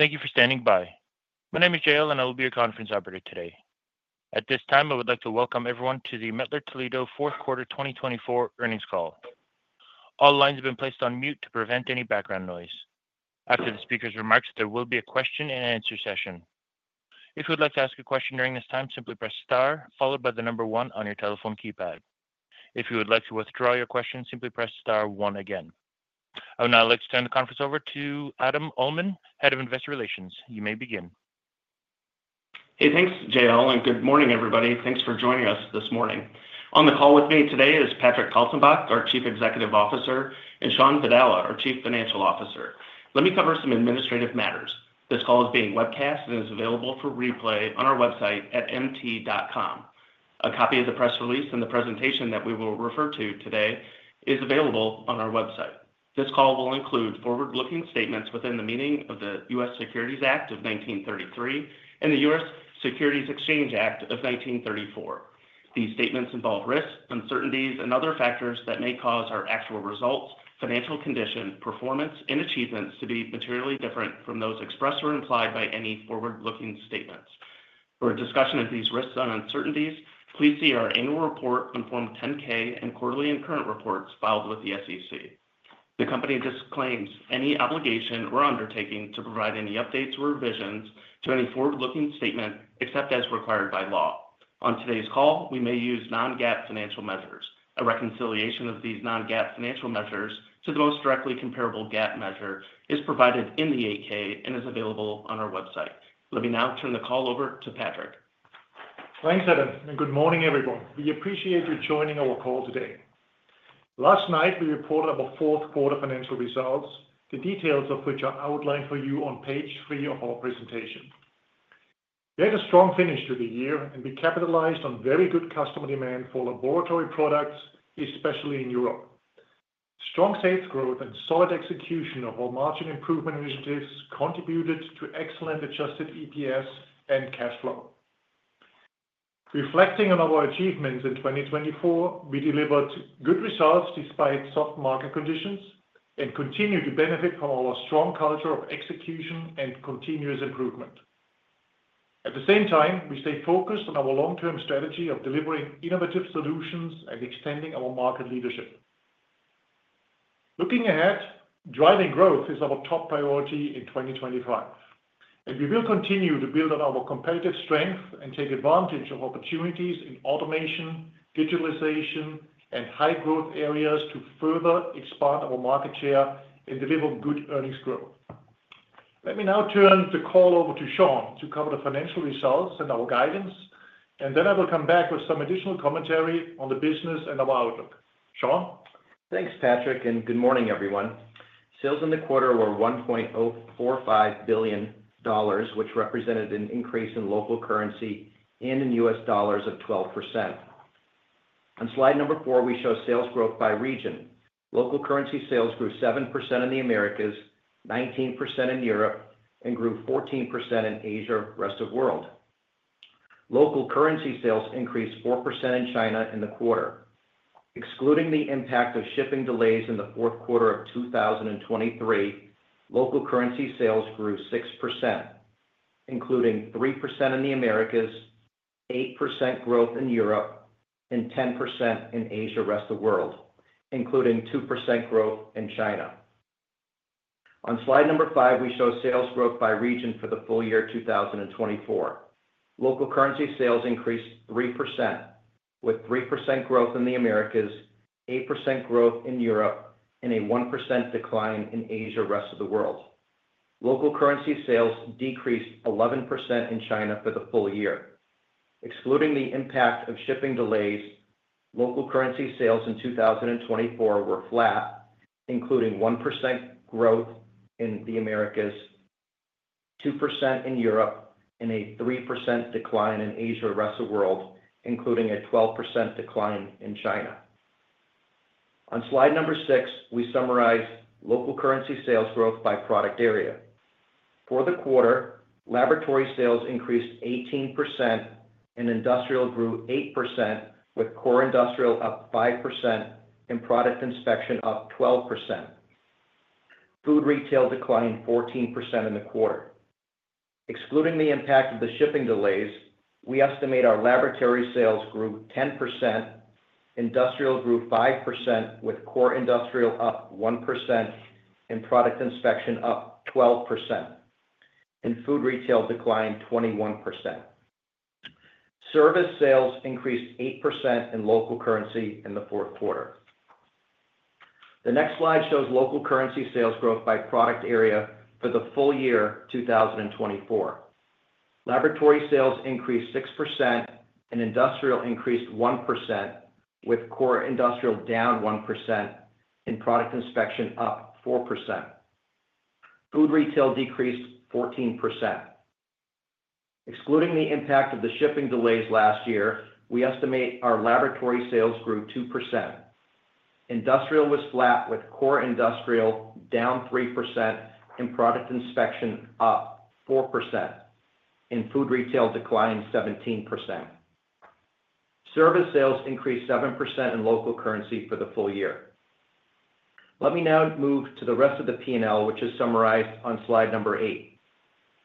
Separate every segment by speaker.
Speaker 1: Thank you for standing by. My name is Joelle and I will be your conference operator today. At this time, I would like to welcome everyone to the Mettler-Toledo fourth quarter 2024 earnings call. All lines have been placed on mute to prevent any background noise. After the speaker's remarks, there will be a question and answer session. If you would like to ask a question during this time, simply press star followed by the number one on your telephone keypad. If you would like to withdraw your question, simply press star one again. I would now like to turn the conference over to Adam Uhlman, Head of Investor Relations. You may begin.
Speaker 2: Hey, thanks, Joelle, and good morning, everybody. Thanks for joining us this morning. On the call with me today is Patrick Kaltenbach, our Chief Executive Officer, and Shawn Vadala, our Chief Financial Officer. Let me cover some administrative matters. This call is being webcast and is available for replay on our website at mt.com. A copy of the press release and the presentation that we will refer to today is available on our website. This call will include forward-looking statements within the meaning of the U.S. Securities Act of 1933 and the U.S. Securities Exchange Act of 1934. These statements involve risks, uncertainties, and other factors that may cause our actual results, financial condition, performance, and achievements to be materially different from those expressed or implied by any forward-looking statements. For a discussion of these risks and uncertainties, please see our annual report, Form 10-K, and quarterly and current reports filed with the SEC. The company disclaims any obligation or undertaking to provide any updates or revisions to any forward-looking statement except as required by law. On today's call, we may use non-GAAP financial measures. A reconciliation of these non-GAAP financial measures to the most directly comparable GAAP measure is provided in the Form 8-K and is available on our website. Let me now turn the call over to Patrick.
Speaker 3: Thanks, Adam, and good morning, everyone. We appreciate your joining our call today. Last night, we reported our fourth quarter financial results, the details of which are outlined for you on page three of our presentation. We had a strong finish to the year and we capitalized on very good customer demand for laboratory products, especially in Europe. Strong sales growth and solid execution of our margin improvement initiatives contributed to excellent Adjusted EPS and cash flow. Reflecting on our achievements in 2024, we delivered good results despite soft market conditions and continue to benefit from our strong culture of execution and continuous improvement. At the same time, we stay focused on our long-term strategy of delivering innovative solutions and extending our market leadership. Looking ahead, driving growth is our top priority in 2025, and we will continue to build on our competitive strength and take advantage of opportunities in automation, digitalization, and high-growth areas to further expand our market share and deliver good earnings growth. Let me now turn the call over to Shawn to cover the financial results and our guidance, and then I will come back with some additional commentary on the business and our outlook. Shawn.
Speaker 2: Thanks, Patrick, and good morning, everyone. Sales in the quarter were $1.045 billion, which represented an increase in local currency and in U.S. dollars of 12%. On slide number four, we show sales growth by region. Local currency sales grew seven% in the Americas, 19% in Europe, and grew 14% in Asia, Rest of the World. Local currency sales increased four% in China in the quarter. Excluding the impact of shipping delays in the fourth quarter of 2023, local currency sales grew six%, including three% in the Americas, eight% growth in Europe, and 10% in Asia, Rest of the World, including two% growth in China. On slide number five, we show sales growth by region for the full year 2024. Local currency sales increased three%, with three% growth in the Americas, eight% growth in Europe, and a one% decline in Asia, Rest of the World. Local currency sales decreased 11% in China for the full year. Excluding the impact of shipping delays, local currency sales in 2024 were flat, including 1% growth in the Americas, 2% in Europe, and a 3% decline in Asia, Rest of the World, including a 12% decline in China. On slide number six, we summarize local currency sales growth by product area. For the quarter, Laboratory sales increased 18%, and Industrial grew 8%, with Core Industrial up 5% and Product Inspection up 12%. Food Retail declined 14% in the quarter. Excluding the impact of the shipping delays, we estimate our Laboratory sales grew 10%, Industrial grew 5%, with Core Industrial up 1% and Product Inspection up 12%, and Food Retail declined 21%. Service sales increased 8% in local currency in the fourth quarter. The next slide shows local currency sales growth by product area for the full year 2024. Laboratory sales increased 6%, and Industrial increased 1%, with Core Industrial down 1% and Product Inspection up 4%. Food Retail decreased 14%. Excluding the impact of the shipping delays last year, we estimate our Laboratory sales grew 2%. Industrial was flat, with Core Industrial down 3% and Product Inspection up 4%, and Food Retail declined 17%. Service sales increased 7% in local currency for the full year. Let me now move to the rest of the P&L, which is summarized on slide number eight.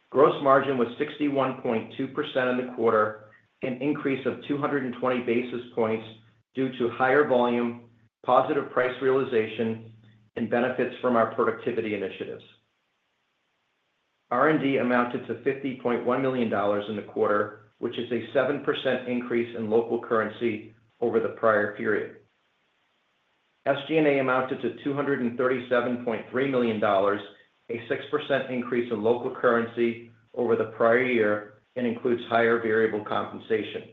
Speaker 2: Gross margin was 61.2% in the quarter, an increase of 220 basis points due to higher volume, positive price realization, and benefits from our productivity initiatives. R&D amounted to $50.1 million in the quarter, which is a 7% increase in local currency over the prior period. SG&A amounted to $237.3 million, a 6% increase in local currency over the prior year, and includes higher variable compensation.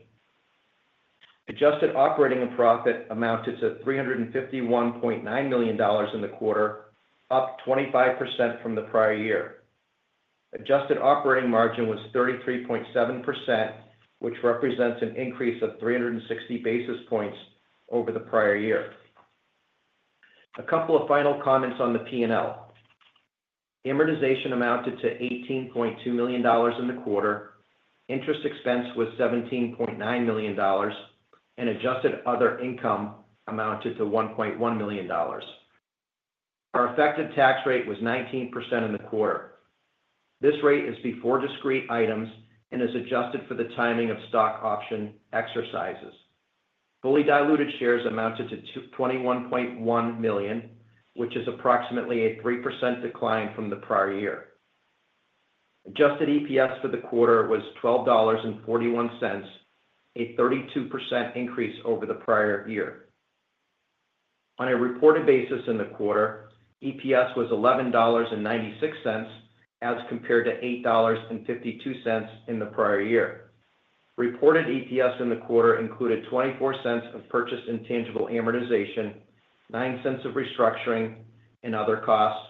Speaker 2: Adjusted operating profit amounted to $351.9 million in the quarter, up 25% from the prior year. Adjusted operating margin was 33.7%, which represents an increase of 360 basis points over the prior year. A couple of final comments on the P&L. Amortization amounted to $18.2 million in the quarter. Interest expense was $17.9 million, and adjusted other income amounted to $1.1 million. Our effective tax rate was 19% in the quarter. This rate is before discrete items and is adjusted for the timing of stock option exercises. Fully diluted shares amounted to 21.1 million, which is approximately a 3% decline from the prior year. Adjusted EPS for the quarter was $12.41, a 32% increase over the prior year. On a reported basis in the quarter, EPS was $11.96 as compared to $8.52 in the prior year. Reported EPS in the quarter included $0.24 of purchased intangible amortization, $0.09 of restructuring and other costs,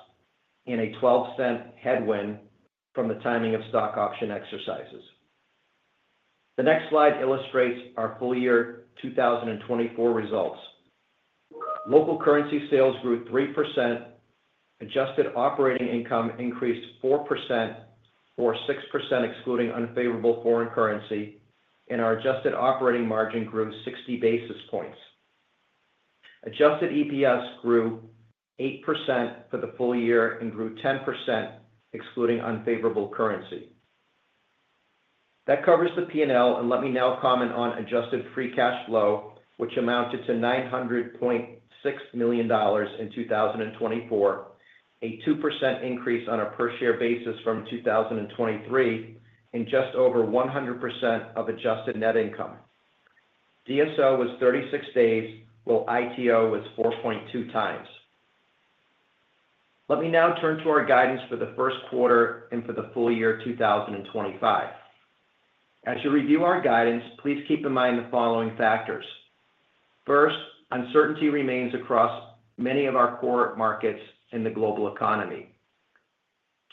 Speaker 2: and a $0.12 headwind from the timing of stock option exercises. The next slide illustrates our full year 2024 results. Local currency sales grew 3%. Adjusted operating income increased 4% or 6% excluding unfavorable foreign currency, and our adjusted operating margin grew 60 basis points. Adjusted EPS grew 8% for the full year and grew 10% excluding unfavorable currency. That covers the P&L, and let me now comment on adjusted free cash flow, which amounted to $900.6 million in 2024, a 2% increase on a per-share basis from 2023 and just over 100% of adjusted net income. DSO was 36 days, while ITO was 4.2 times. Let me now turn to our guidance for the first quarter and for the full year 2025. As you review our guidance, please keep in mind the following factors. First, uncertainty remains across many of our core markets in the global economy.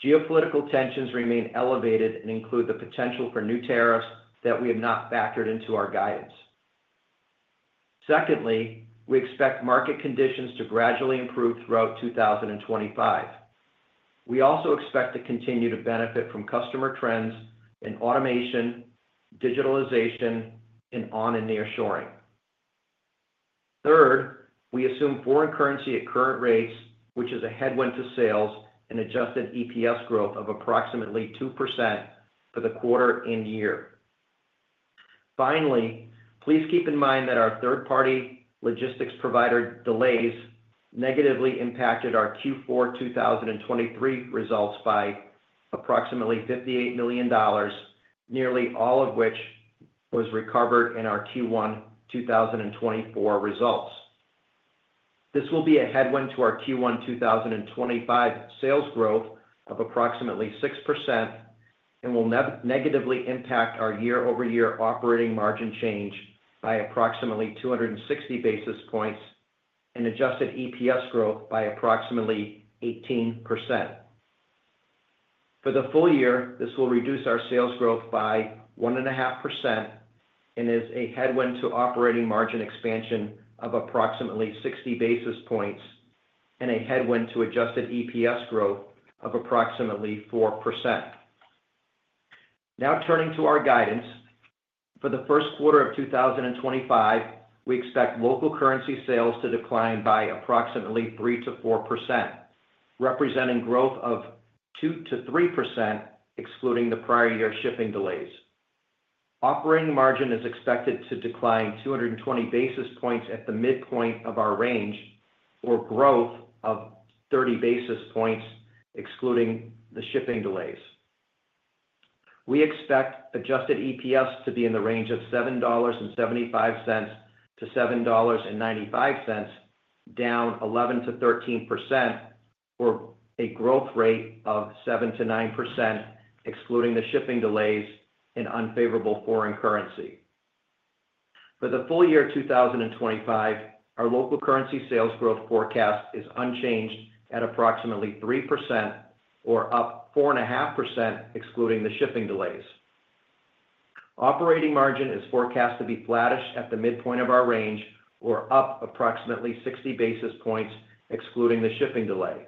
Speaker 2: Geopolitical tensions remain elevated and include the potential for new tariffs that we have not factored into our guidance. Secondly, we expect market conditions to gradually improve throughout 2025. We also expect to continue to benefit from customer trends in automation, digitalization, and on- and nearshoring. Third, we assume foreign currency at current rates, which is a headwind to sales, and Adjusted EPS growth of approximately 2% for the quarter and year. Finally, please keep in mind that our third-party logistics provider delays negatively impacted our Q4 2023 results by approximately $58 million, nearly all of which was recovered in our Q1 2024 results. This will be a headwind to our Q1 2025 sales growth of approximately 6% and will negatively impact our year-over-year operating margin change by approximately 260 basis points and adjusted EPS growth by approximately 18%. For the full year, this will reduce our sales growth by 1.5% and is a headwind to operating margin expansion of approximately 60 basis points and a headwind to adjusted EPS growth of approximately 4%. Now turning to our guidance, for the first quarter of 2025, we expect local currency sales to decline by approximately 3%-4%, representing growth of 2%-3% excluding the prior year shipping delays. Operating margin is expected to decline 220 basis points at the midpoint of our range or growth of 30 basis points excluding the shipping delays. We expect adjusted EPS to be in the range of $7.75-$7.95, down 11%-13%, or a growth rate of 7%-9% excluding the shipping delays and unfavorable foreign currency. For the full year 2025, our local currency sales growth forecast is unchanged at approximately 3% or up 4.5% excluding the shipping delays. Operating margin is forecast to be flattish at the midpoint of our range or up approximately 60 basis points excluding the shipping delay.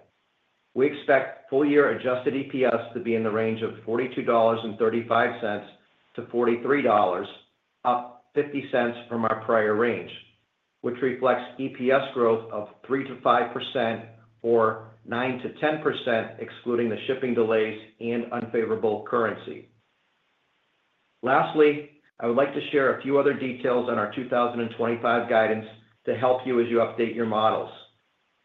Speaker 2: We expect full-year adjusted EPS to be in the range of $42.35-$43, up $0.50 from our prior range, which reflects EPS growth of 3%-5% or 9%-10% excluding the shipping delays and unfavorable currency. Lastly, I would like to share a few other details on our 2025 guidance to help you as you update your models.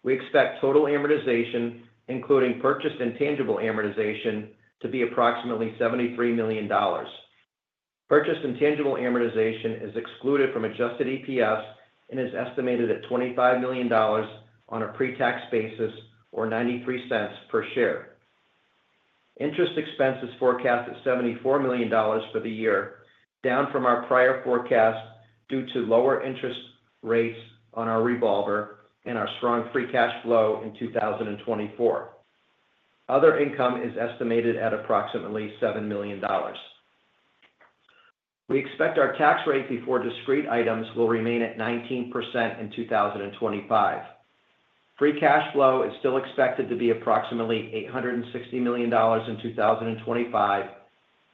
Speaker 2: We expect total amortization, including purchased intangible amortization, to be approximately $73 million. Purchased intangible amortization is excluded from Adjusted EPS and is estimated at $25 million on a pre-tax basis or $0.93 per share. Interest expense is forecast at $74 million for the year, down from our prior forecast due to lower interest rates on our revolver and our strong free cash flow in 2024. Other income is estimated at approximately $7 million. We expect our tax rate before discrete items will remain at 19% in 2025. Free cash flow is still expected to be approximately $860 million in 2025,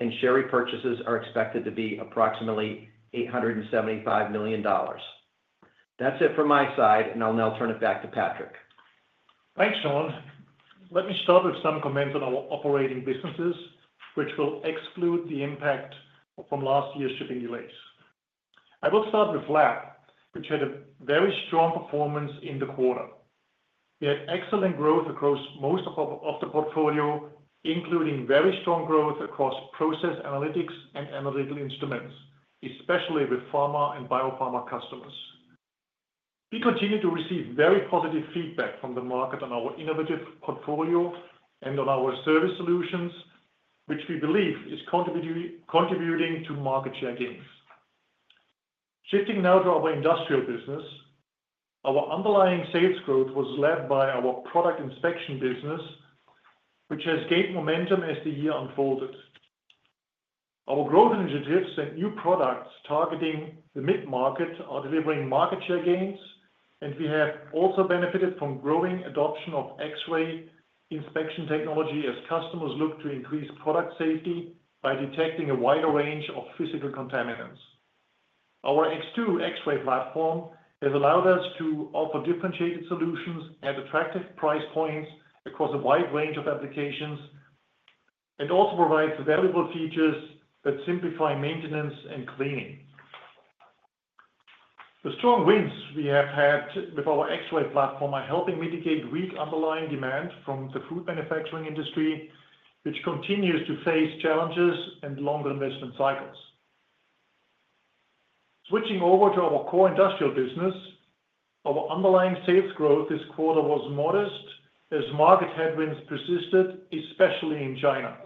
Speaker 2: and share repurchases are expected to be approximately $875 million. That's it from my side, and I'll now turn it back to Patrick.
Speaker 3: Thanks, Shawn. Let me start with some comments on our operating businesses, which will exclude the impact from last year's shipping delays. I will start with the Lab, which had a very strong performance in the quarter. We had excellent growth across most of the portfolio, including very strong growth across Process Analytics and Analytical Instruments, especially with pharma and biopharma customers. We continue to receive very positive feedback from the market on our innovative portfolio and on our service solutions, which we believe is contributing to market share gains. Shifting now to our industrial business, our underlying sales growth was led by our Product Inspection business, which has gained momentum as the year unfolded. Our growth initiatives and new products targeting the mid-market are delivering market share gains, and we have also benefited from growing adoption of X-ray inspection technology as customers look to increase product safety by detecting a wider range of physical contaminants. Our X2 X-ray platform has allowed us to offer differentiated solutions at attractive price points across a wide range of applications and also provides valuable features that simplify maintenance and cleaning. The strong wins we have had with our X-ray platform are helping mitigate weak underlying demand from the food manufacturing industry, which continues to face challenges and longer investment cycles. Switching over to our Core Industrial business, our underlying sales growth this quarter was modest as market headwinds persisted, especially in China.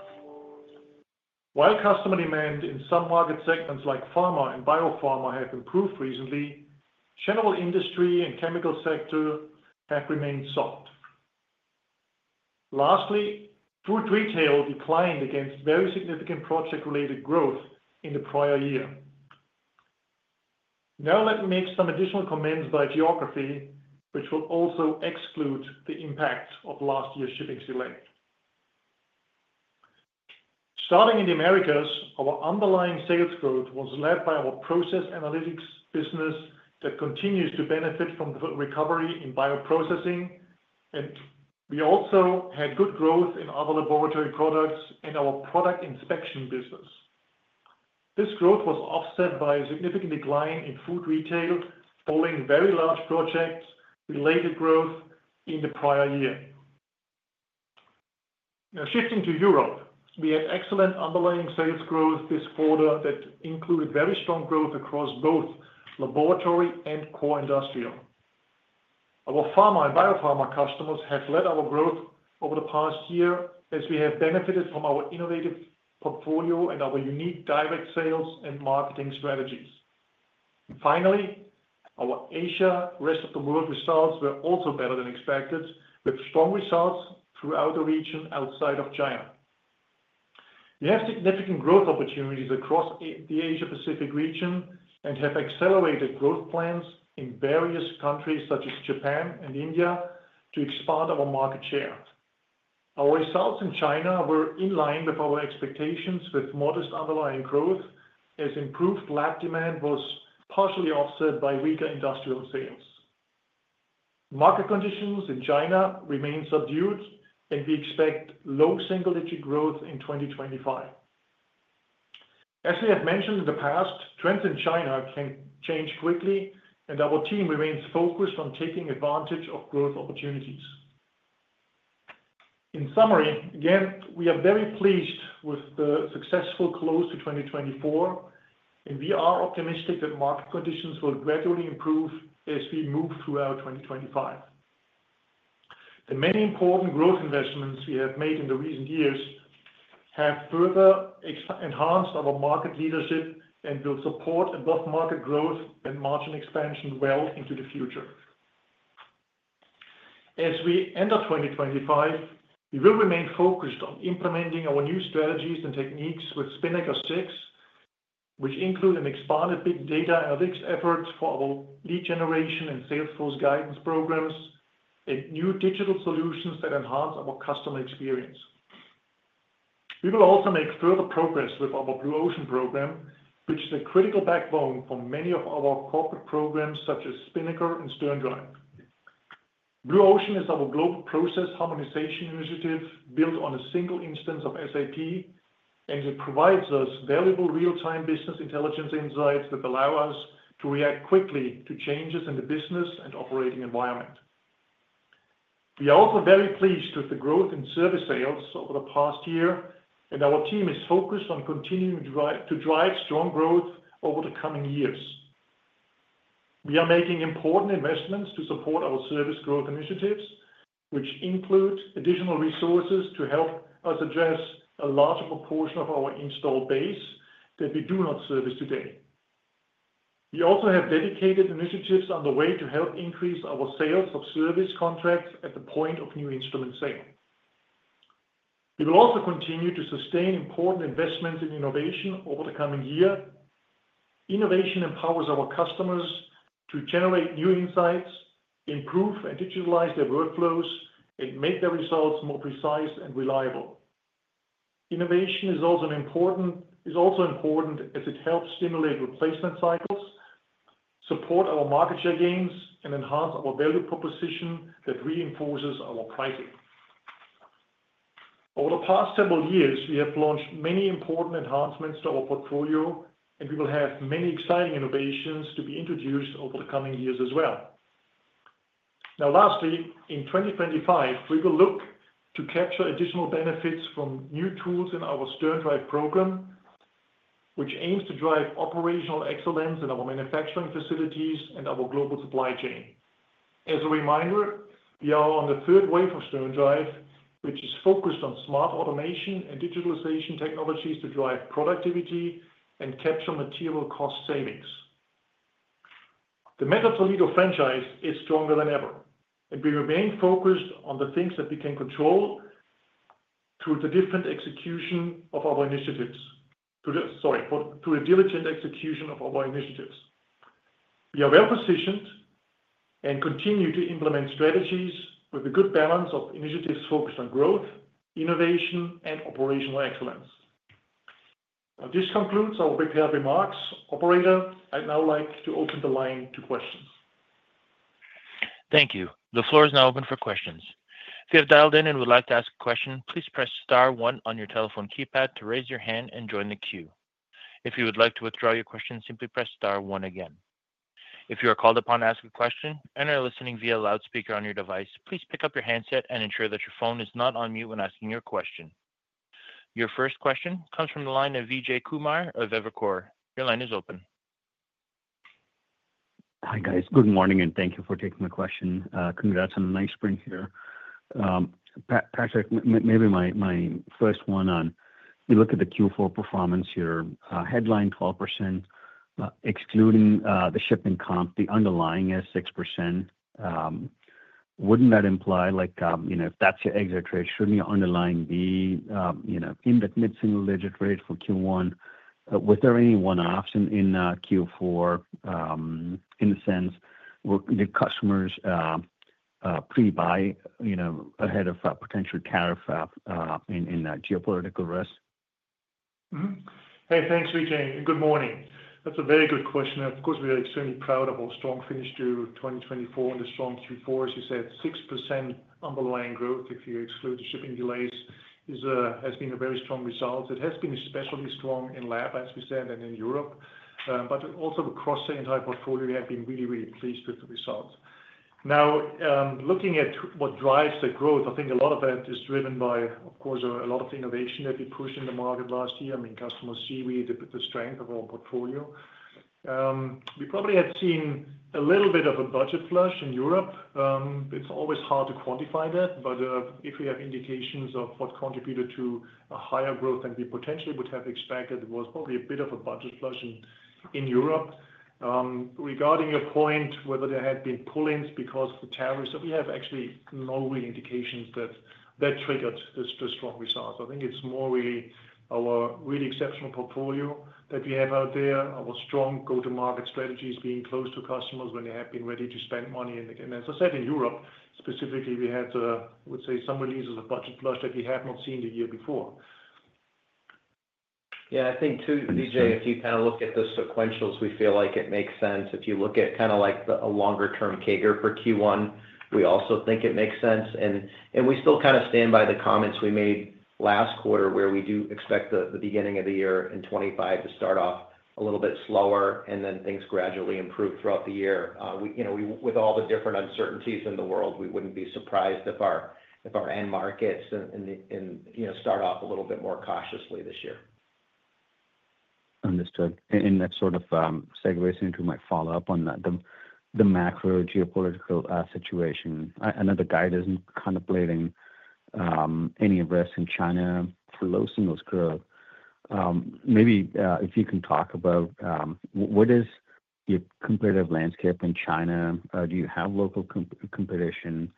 Speaker 3: While customer demand in some market segments like pharma and biopharma has improved recently, general industry and chemical sector have remained soft. Lastly, Food Retail declined against very significant project-related growth in the prior year. Now let me make some additional comments by geography, which will also exclude the impact of last year's shipping delay. Starting in the Americas, our underlying sales growth was led by our Process Analytics business that continues to benefit from the recovery in bioprocessing, and we also had good growth in our Laboratory products and our Product Inspection business. This growth was offset by a significant decline in Food Retail, following very large project-related growth in the prior year. Now shifting to Europe, we had excellent underlying sales growth this quarter that included very strong growth across both Laboratory and Core Industrial. Our pharma and biopharma customers have led our growth over the past year as we have benefited from our innovative portfolio and our unique direct sales and marketing strategies. Finally, our Asia, Rest of the World results were also better than expected, with strong results throughout the region outside of China. We have significant growth opportunities across the Asia-Pacific region and have accelerated growth plans in various countries such as Japan and India to expand our market share. Our results in China were in line with our expectations, with modest underlying growth as improved lab demand was partially offset by weaker industrial sales. Market conditions in China remain subdued, and we expect low single-digit growth in 2025. As we have mentioned in the past, trends in China can change quickly, and our team remains focused on taking advantage of growth opportunities. In summary, again, we are very pleased with the successful close to 2024, and we are optimistic that market conditions will gradually improve as we move throughout 2025. The many important growth investments we have made in the recent years have further enhanced our market leadership and will support above-market growth and margin expansion well into the future. As we end up 2025, we will remain focused on implementing our new strategies and techniques with Spinnaker VI, which include an expanded big data analytics effort for our lead generation and sales force guidance programs, and new digital solutions that enhance our customer experience. We will also make further progress with our Blue Ocean program, which is a critical backbone for many of our corporate programs such as Spinnaker and SternDrive. Blue Ocean is our global process harmonization initiative built on a single instance of SAP, and it provides us valuable real-time business intelligence insights that allow us to react quickly to changes in the business and operating environment. We are also very pleased with the growth in service sales over the past year, and our team is focused on continuing to drive strong growth over the coming years. We are making important investments to support our service growth initiatives, which include additional resources to help us address a larger proportion of our installed base that we do not service today. We also have dedicated initiatives on the way to help increase our sales of service contracts at the point of new instrument sale. We will also continue to sustain important investments in innovation over the coming year. Innovation empowers our customers to generate new insights, improve and digitalize their workflows, and make their results more precise and reliable. Innovation is also important as it helps stimulate replacement cycles, support our market share gains, and enhance our value proposition that reinforces our pricing. Over the past several years, we have launched many important enhancements to our portfolio, and we will have many exciting innovations to be introduced over the coming years as well. Now, lastly, in 2025, we will look to capture additional benefits from new tools in our SternDrive program, which aims to drive operational excellence in our manufacturing facilities and our global supply chain. As a reminder, we are on the third wave of SternDrive, which is focused on smart automation and digitalization technologies to drive productivity and capture material cost savings. The Mettler-Toledo franchise is stronger than ever, and we remain focused on the things that we can control through the different execution of our initiatives, sorry, through the diligent execution of our initiatives. We are well positioned and continue to implement strategies with a good balance of initiatives focused on growth, innovation, and operational excellence. This concludes our prepared remarks. Operator, I'd now like to open the line to questions.
Speaker 1: Thank you. The floor is now open for questions. If you have dialed in and would like to ask a question, please press star one on your telephone keypad to raise your hand and join the queue. If you would like to withdraw your question, simply press star one again. If you are called upon to ask a question and are listening via loudspeaker on your device, please pick up your handset and ensure that your phone is not on mute when asking your question. Your first question comes from the line of Vijay Kumar of Evercore. Your line is open.
Speaker 4: Hi guys, good morning and thank you for taking my question. Congrats on a nice strong here. Patrick, maybe my first one on, we look at the Q4 performance here, headline 12%, excluding the shipping comp, the underlying is 6%. Wouldn't that imply like if that's your exit rate, shouldn't your underlying be in that mid-single digit rate for Q1? Was there any one-offs in Q4 in the sense were the customers pre-buy ahead of potential tariff in geopolitical risk?
Speaker 3: Hey, thanks Vijay. Good morning. That's a very good question. Of course, we are extremely proud of our strong finish through 2024 and the strong Q4, as you said. 6% underlying growth if you exclude the shipping delays has been a very strong result. It has been especially strong in lab, as we said, and in Europe, but also across the entire portfolio. We have been really, really pleased with the result. Now, looking at what drives the growth, I think a lot of that is driven by, of course, a lot of the innovation that we pushed in the market last year. I mean, customers see really the strength of our portfolio. We probably had seen a little bit of a budget flush in Europe. It's always hard to quantify that, but if we have indications of what contributed to a higher growth than we potentially would have expected, it was probably a bit of a budget flush in Europe. Regarding your point, whether there had been pull-ins because of the tariffs, we have actually no real indications that triggered this strong result. I think it's more really our really exceptional portfolio that we have out there, our strong go-to-market strategies being close to customers when they have been ready to spend money, and as I said, in Europe specifically, we had, I would say, some releases of budget flush that we have not seen the year before.
Speaker 5: Yeah, I think too, Vijay, if you kind of look at the sequentials, we feel like it makes sense. If you look at kind of like a longer-term CAGR for Q1, we also think it makes sense. And we still kind of stand by the comments we made last quarter where we do expect the beginning of the year in 2025 to start off a little bit slower and then things gradually improve throughout the year. With all the different uncertainties in the world, we wouldn't be surprised if our end markets start off a little bit more cautiously this year.
Speaker 4: Understood. In that sort of segue, I think we might follow up on the macro geopolitical situation. I know the guide isn't contemplating any risk in China for low single growth. Maybe if you can talk about what is your competitive landscape in China? Do you have local competition?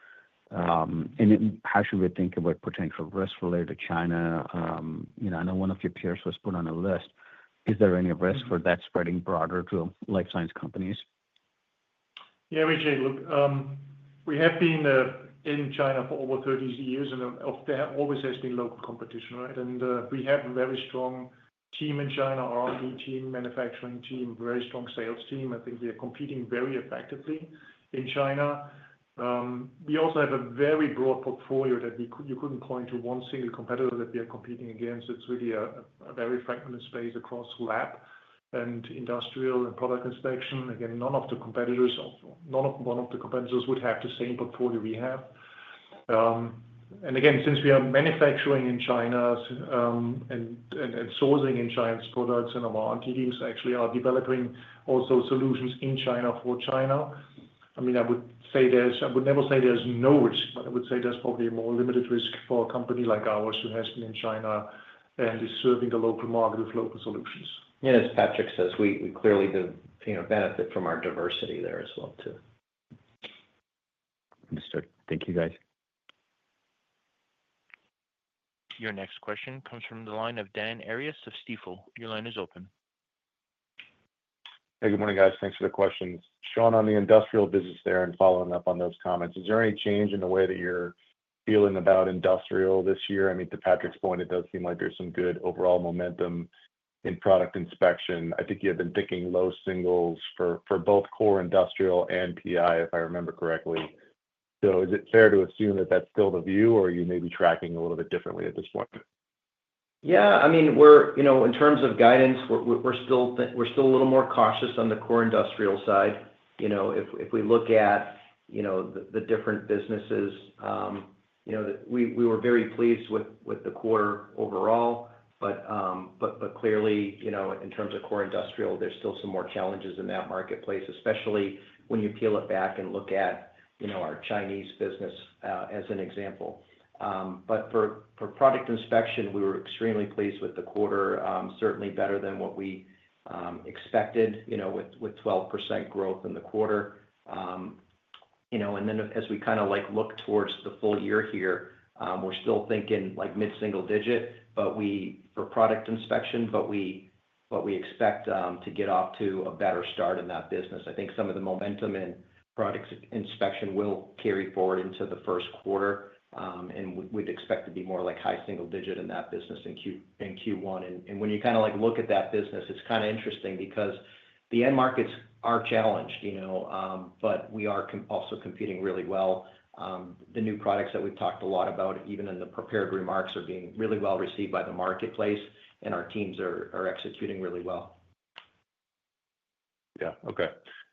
Speaker 4: And how should we think about potential risk related to China? I know one of your peers was put on a list. Is there any risk for that spreading broader to life science companies?
Speaker 3: Yeah, Vijay, look, we have been in China for over 30 years, and always has been local competition, right? And we have a very strong team in China, R&D team, manufacturing team, very strong sales team. I think we are competing very effectively in China. We also have a very broad portfolio that you couldn't point to one single competitor that we are competing against. It's really a very fragmented space across lab and industrial and Product Inspection. Again, none of the competitors, none of one of the competitors would have the same portfolio we have. And again, since we are manufacturing in China and sourcing in China's products and our R&D teams actually are developing also solutions in China for China. I mean, I would say I would never say there's no risk, but I would say there's probably a more limited risk for a company like ours who has been in China and is serving the local market with local solutions.
Speaker 5: Yeah, as Patrick says, we clearly do benefit from our diversity there as well too.
Speaker 4: Understood. Thank you, guys.
Speaker 1: Your next question comes from the line of Dan Arias of Stifel. Your line is open.
Speaker 6: Hey, good morning, guys. Thanks for the questions. Shawn, on the industrial business there and following up on those comments. Is there any change in the way that you're feeling about industrial this year? I mean, to Patrick's point, it does seem like there's some good overall momentum in Product Inspection. I think you have been picking low singles for both Core Industrial and PI, if I remember correctly. So is it fair to assume that that's still the view, or are you maybe tracking a little bit differently at this point?
Speaker 5: Yeah, I mean, in terms of guidance, we're still a little more cautious on the Core Industrial side. If we look at the different businesses, we were very pleased with the quarter overall, but clearly, in terms of Core Industrial, there's still some more challenges in that marketplace, especially when you peel it back and look at our Chinese business as an example. But for Product Inspection, we were extremely pleased with the quarter, certainly better than what we expected with 12% growth in the quarter. And then as we kind of look towards the full year here, we're still thinking mid-single digit for Product Inspection, but we expect to get off to a better start in that business. I think some of the momentum in Product Inspection will carry forward into the first quarter, and we'd expect to be more like high single digit in that business in Q1. And when you kind of look at that business, it's kind of interesting because the end markets are challenged, but we are also competing really well. The new products that we've talked a lot about, even in the prepared remarks, are being really well received by the marketplace, and our teams are executing really well.
Speaker 6: Yeah, okay.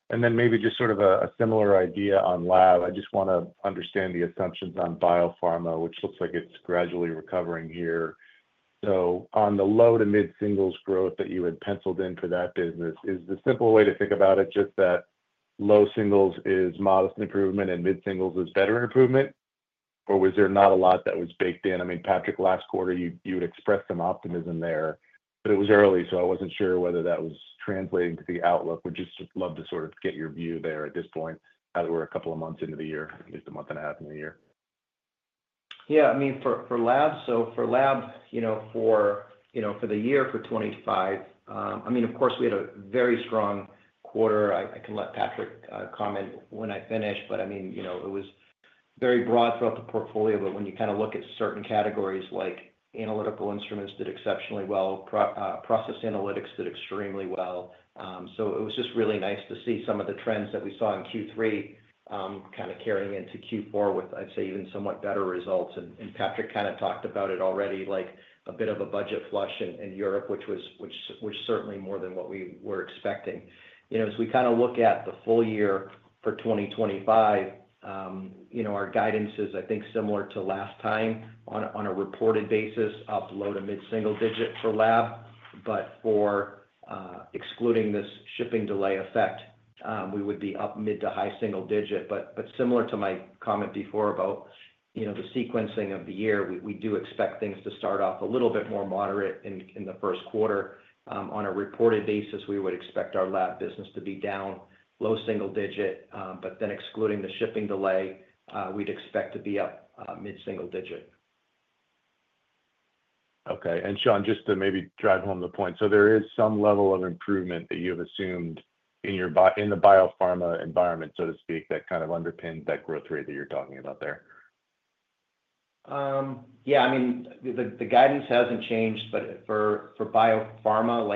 Speaker 6: And then maybe just sort of a similar idea on lab. I just want to understand the assumptions on biopharma, which looks like it's gradually recovering here. So on the low- to mid-singles growth that you had penciled in for that business, is the simple way to think about it just that low singles is modest improvement and mid-singles is better improvement, or was there not a lot that was baked in? I mean, Patrick, last quarter, you had expressed some optimism there, but it was early, so I wasn't sure whether that was translating to the outlook. Would just love to sort of get your view there at this point as we're a couple of months into the year, at least a month and a half in the year.
Speaker 5: Yeah, I mean, for lab, so for lab for the year for 2025, I mean, of course, we had a very strong quarter. I can let Patrick comment when I finish, but I mean, it was very broad throughout the portfolio, but when you kind of look at certain categories like Analytical Instruments did exceptionally well, Process Analytics did extremely well. So it was just really nice to see some of the trends that we saw in Q3 kind of carrying into Q4 with, I'd say, even somewhat better results. And Patrick kind of talked about it already, like a bit of a budget flush in Europe, which was certainly more than what we were expecting. As we kind of look at the full year for 2025, our guidance is, I think, similar to last time on a reported basis, up low to mid-single digit for lab. But excluding this shipping delay effect, we would be up mid- to high-single-digit. But similar to my comment before about the sequencing of the year, we do expect things to start off a little bit more moderate in the first quarter. On a reported basis, we would expect our lab business to be down low-single-digit, but then excluding the shipping delay, we'd expect to be up mid-single-digit.
Speaker 6: Okay. And Shawn, just to maybe drive home the point, so there is some level of improvement that you have assumed in the biopharma environment, so to speak, that kind of underpins that growth rate that you're talking about there.
Speaker 5: Yeah, I mean, the guidance hasn't changed, but for biopharma,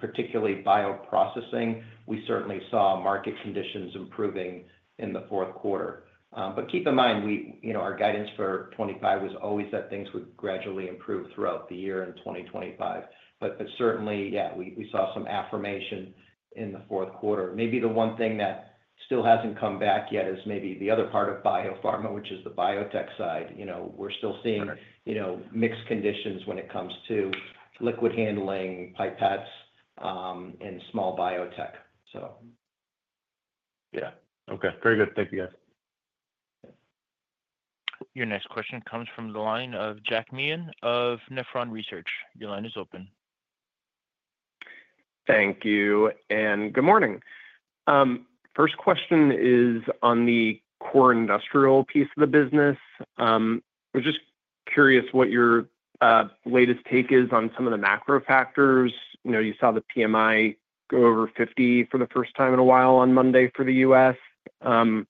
Speaker 5: particularly bioprocessing, we certainly saw market conditions improving in the fourth quarter. But keep in mind, our guidance for 2025 was always that things would gradually improve throughout the year in 2025. But certainly, yeah, we saw some affirmation in the fourth quarter. Maybe the one thing that still hasn't come back yet is maybe the other part of biopharma, which is the biotech side. We're still seeing mixed conditions when it comes to liquid handling, pipettes, and small biotech, so.
Speaker 6: Yeah. Okay. Very good. Thank you, guys.
Speaker 1: Your next question comes from the line of Jack Meehan of Nephron Research. Your line is open.
Speaker 7: Thank you. And good morning. First question is on the Core Industrial piece of the business. I was just curious what your latest take is on some of the macro factors. You saw the PMI go over 50 for the first time in a while on Monday for the U.S. I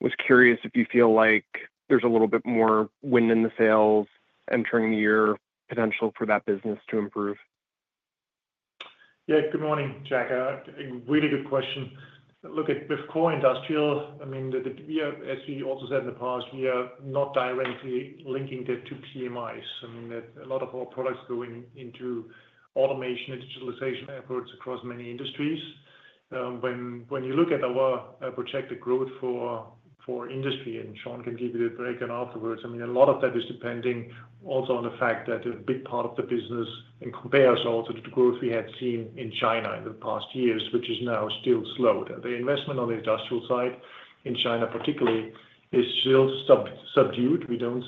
Speaker 7: was curious if you feel like there's a little bit more wind in the sails entering the year, potential for that business to improve.
Speaker 3: Yeah, good morning, Jack. Really good question. Look, with Core Industrial, I mean, as we also said in the past, we are not directly linking that to PMIs. I mean, a lot of our products go into automation and digitalization efforts across many industries. When you look at our projected growth for industry, and Shawn can give you the breakdown afterwards, I mean, a lot of that is depending also on the fact that a big part of the business and compares also to the growth we had seen in China in the past years, which is now still slow. The investment on the industrial side in China, particularly, is still subdued. We don't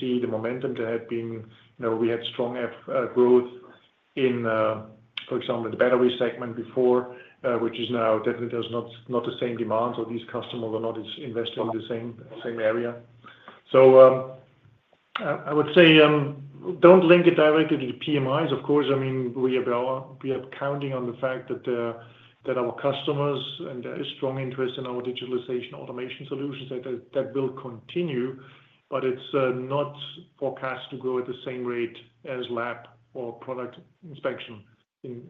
Speaker 3: see the momentum that had been. We had strong growth in, for example, the battery segment before, which is now definitely not the same demand. So these customers are not investing in the same area. So I would say don't link it directly to the PMIs, of course. I mean, we are counting on the fact that our customers, and there is strong interest in our digitalization automation solutions that will continue, but it's not forecast to grow at the same rate as lab or Product Inspection in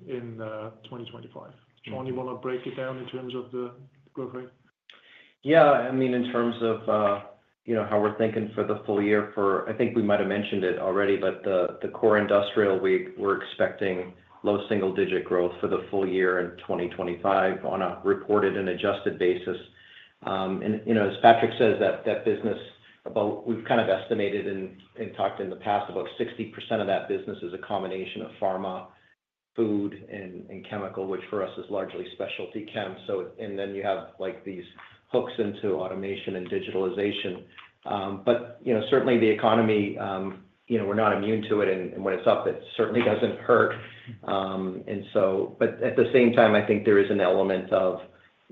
Speaker 3: 2025. Shawn, you want to break it down in terms of the growth rate?
Speaker 5: Yeah. I mean, in terms of how we're thinking for the full year, I think we might have mentioned it already, but the Core Industrial, we're expecting low single-digit growth for the full year in 2025 on a reported and adjusted basis. And as Patrick says, that business, we've kind of estimated and talked in the past about 60% of that business is a combination of pharma, food, and chemical, which for us is largely specialty chem. And then you have these hooks into automation and digitalization. But certainly, the economy, we're not immune to it, and when it's up, it certainly doesn't hurt. But at the same time, I think there is an element of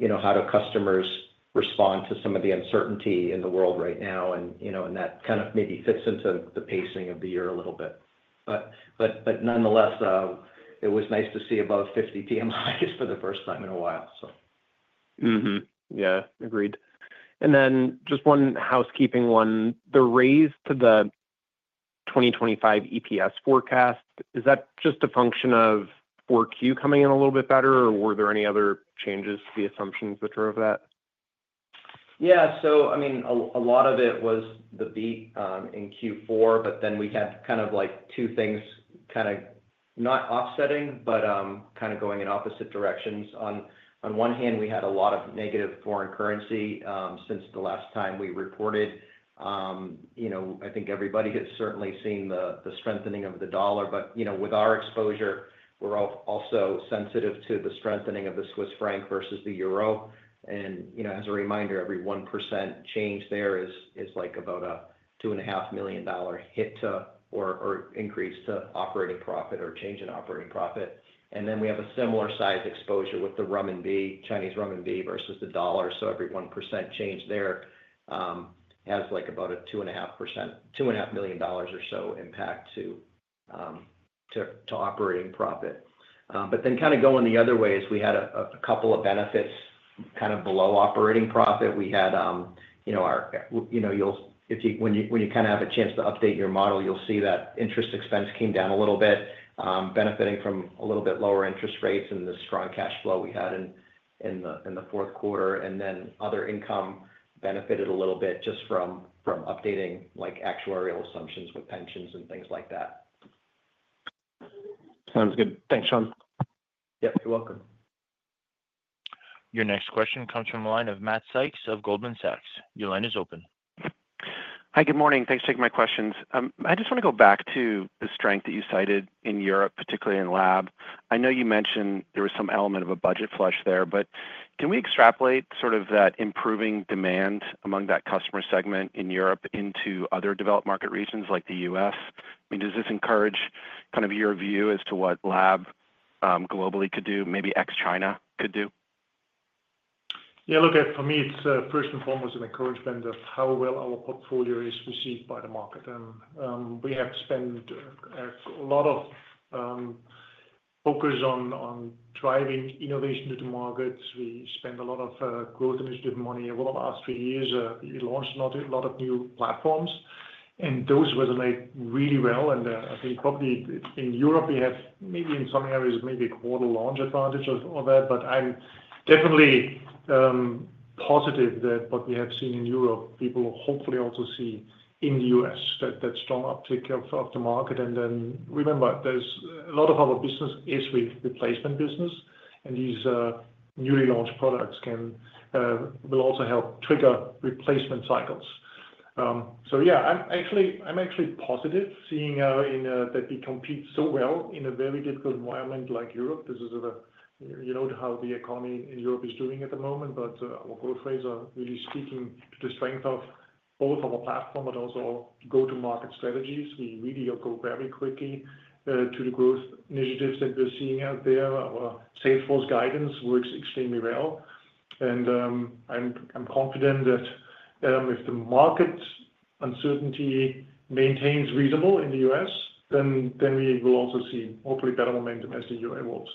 Speaker 5: how do customers respond to some of the uncertainty in the world right now, and that kind of maybe fits into the pacing of the year a little bit. But nonetheless, it was nice to see above 50 PMIs for the first time in a while, so.
Speaker 7: Yeah, agreed. And then just one housekeeping one. The raise to the 2025 EPS forecast, is that just a function of 4Q coming in a little bit better, or were there any other changes to the assumptions that drove that?
Speaker 5: Yeah. So I mean, a lot of it was the beat in Q4, but then we had kind of two things kind of not offsetting, but kind of going in opposite directions. On one hand, we had a lot of negative foreign currency since the last time we reported. I think everybody has certainly seen the strengthening of the dollar, but with our exposure, we're also sensitive to the strengthening of the Swiss franc versus the euro. And as a reminder, every 1% change there is about a $2.5 million hit or increase to operating profit or change in operating profit. And then we have a similar size exposure with the Chinese renminbi versus the dollar. So every 1% change there has about a $2.5 million or so impact to operating profit. But then kind of going the other way is we had a couple of benefits kind of below operating profit. We had, or when you kind of have a chance to update your model, you'll see that interest expense came down a little bit, benefiting from a little bit lower interest rates and the strong cash flow we had in the fourth quarter. And then other income benefited a little bit just from updating actuarial assumptions with pensions and things like that.
Speaker 7: Sounds good. Thanks, Shawn.
Speaker 5: Yep, you're welcome.
Speaker 1: Your next question comes from the line of Matt Sykes of Goldman Sachs. Your line is open. Hi, good morning. Thanks for taking my questions. I just want to go back to the strength that you cited in Europe, particularly in lab. I know you mentioned there was some element of a budget flush there, but can we extrapolate sort of that improving demand among that customer segment in Europe into other developed market regions like the U.S.? I mean, does this encourage kind of your view as to what lab globally could do, maybe ex-China could do?
Speaker 3: Yeah, look, for me, it's first and foremost an encouragement of how well our portfolio is received by the market. And we have spent a lot of focus on driving innovation to the markets. We spent a lot of growth initiative money over the last three years. We launched a lot of new platforms, and those resonate really well. And I think probably in Europe, we have maybe in some areas, maybe a quarter launch advantage of that. But I'm definitely positive that what we have seen in Europe, people hopefully also see in the U.S., that strong uptake of the market. And then remember, a lot of our business is with replacement business, and these newly launched products will also help trigger replacement cycles. So yeah, I'm actually positive seeing that we compete so well in a very difficult environment like Europe. You know how the economy in Europe is doing at the moment, but our growth rates are really speaking to the strength of both our platform, but also our go-to-market strategies. We really go very quickly to the growth initiatives that we're seeing out there. Our sales force guidance works extremely well, and I'm confident that if the market uncertainty maintains reasonable in the U.S., then we will also see hopefully better momentum as the year evolves.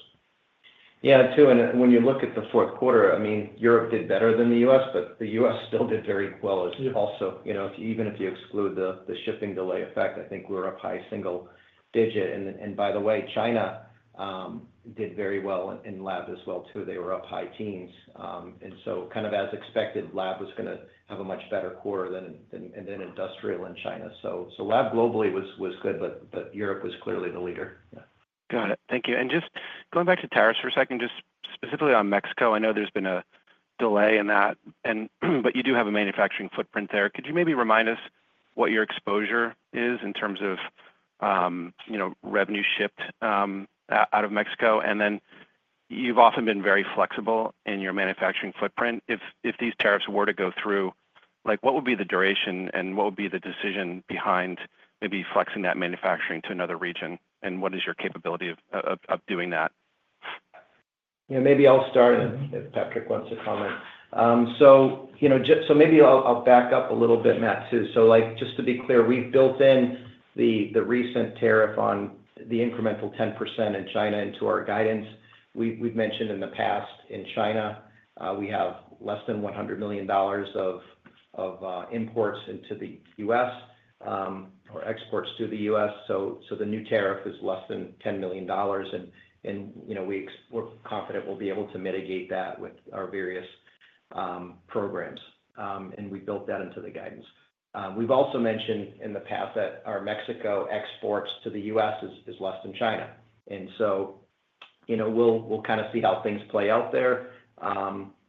Speaker 5: Yeah, too. And when you look at the fourth quarter, I mean, Europe did better than the U.S., but the U.S. still did very well as well. So even if you exclude the shipping delay effect, I think we're up high single digit. And by the way, China did very well in lab as well, too. They were up high teens. And so kind of as expected, lab was going to have a much better quarter than industrial in China. So lab globally was good, but Europe was clearly the leader.
Speaker 8: Got it. Thank you. And just going back to tariffs for a second, just specifically on Mexico, I know there's been a delay in that, but you do have a manufacturing footprint there. Could you maybe remind us what your exposure is in terms of revenue shipped out of Mexico? And then you've often been very flexible in your manufacturing footprint. If these tariffs were to go through, what would be the duration and what would be the decision behind maybe flexing that manufacturing to another region? And what is your capability of doing that?
Speaker 5: Yeah, maybe I'll start if Patrick wants to comment. So maybe I'll back up a little bit, Matt, too. So just to be clear, we've built in the recent tariff on the incremental 10% in China into our guidance. We've mentioned in the past in China, we have less than $100 million of imports into the U.S. or exports to the U.S. So the new tariff is less than $10 million. And we're confident we'll be able to mitigate that with our various programs. And we built that into the guidance. We've also mentioned in the past that our Mexico exports to the U.S. is less than China. And so we'll kind of see how things play out there.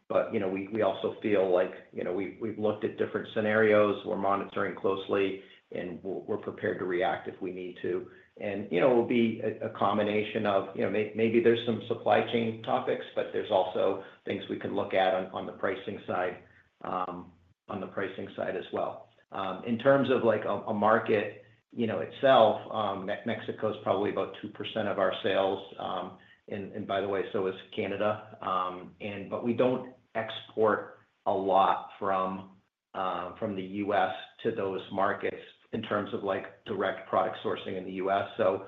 Speaker 5: But we also feel like we've looked at different scenarios. We're monitoring closely, and we're prepared to react if we need to. And it will be a combination of maybe there's some supply chain topics, but there's also things we can look at on the pricing side as well. In terms of a market itself, Mexico is probably about 2% of our sales. And by the way, so is Canada. But we don't export a lot from the U.S. to those markets in terms of direct product sourcing in the U.S. So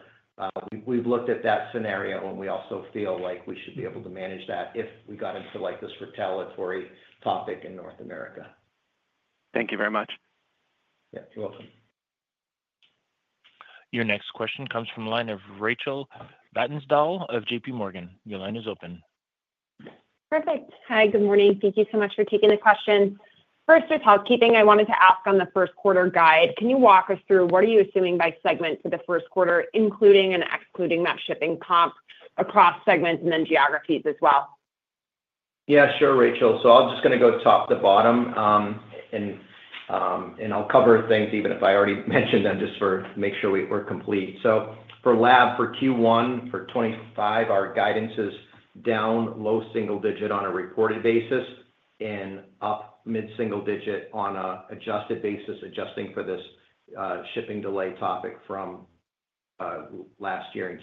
Speaker 5: we've looked at that scenario, and we also feel like we should be able to manage that if we got into this retaliatory topic in North America.
Speaker 7: Thank you very much.
Speaker 5: Yeah, you're welcome.
Speaker 1: Your next question comes from the line of Rachel Vatnsdal of JPMorgan. Your line is open.
Speaker 9: Perfect. Hi, good morning. Thank you so much for taking the question. First, for housekeeping, I wanted to ask on the first-quarter guide. Can you walk us through what are you assuming by segment for the first quarter, including and excluding that shipping comp across segments and then geographies as well?
Speaker 5: Yeah, sure, Rachel. I'm just going to go top to bottom, and I'll cover things even if I already mentioned them just to make sure we're complete. For lab, for Q1 for 2025, our guidance is down low single digit on a reported basis and up mid-single digit on an adjusted basis, adjusting for this shipping delay topic from last year in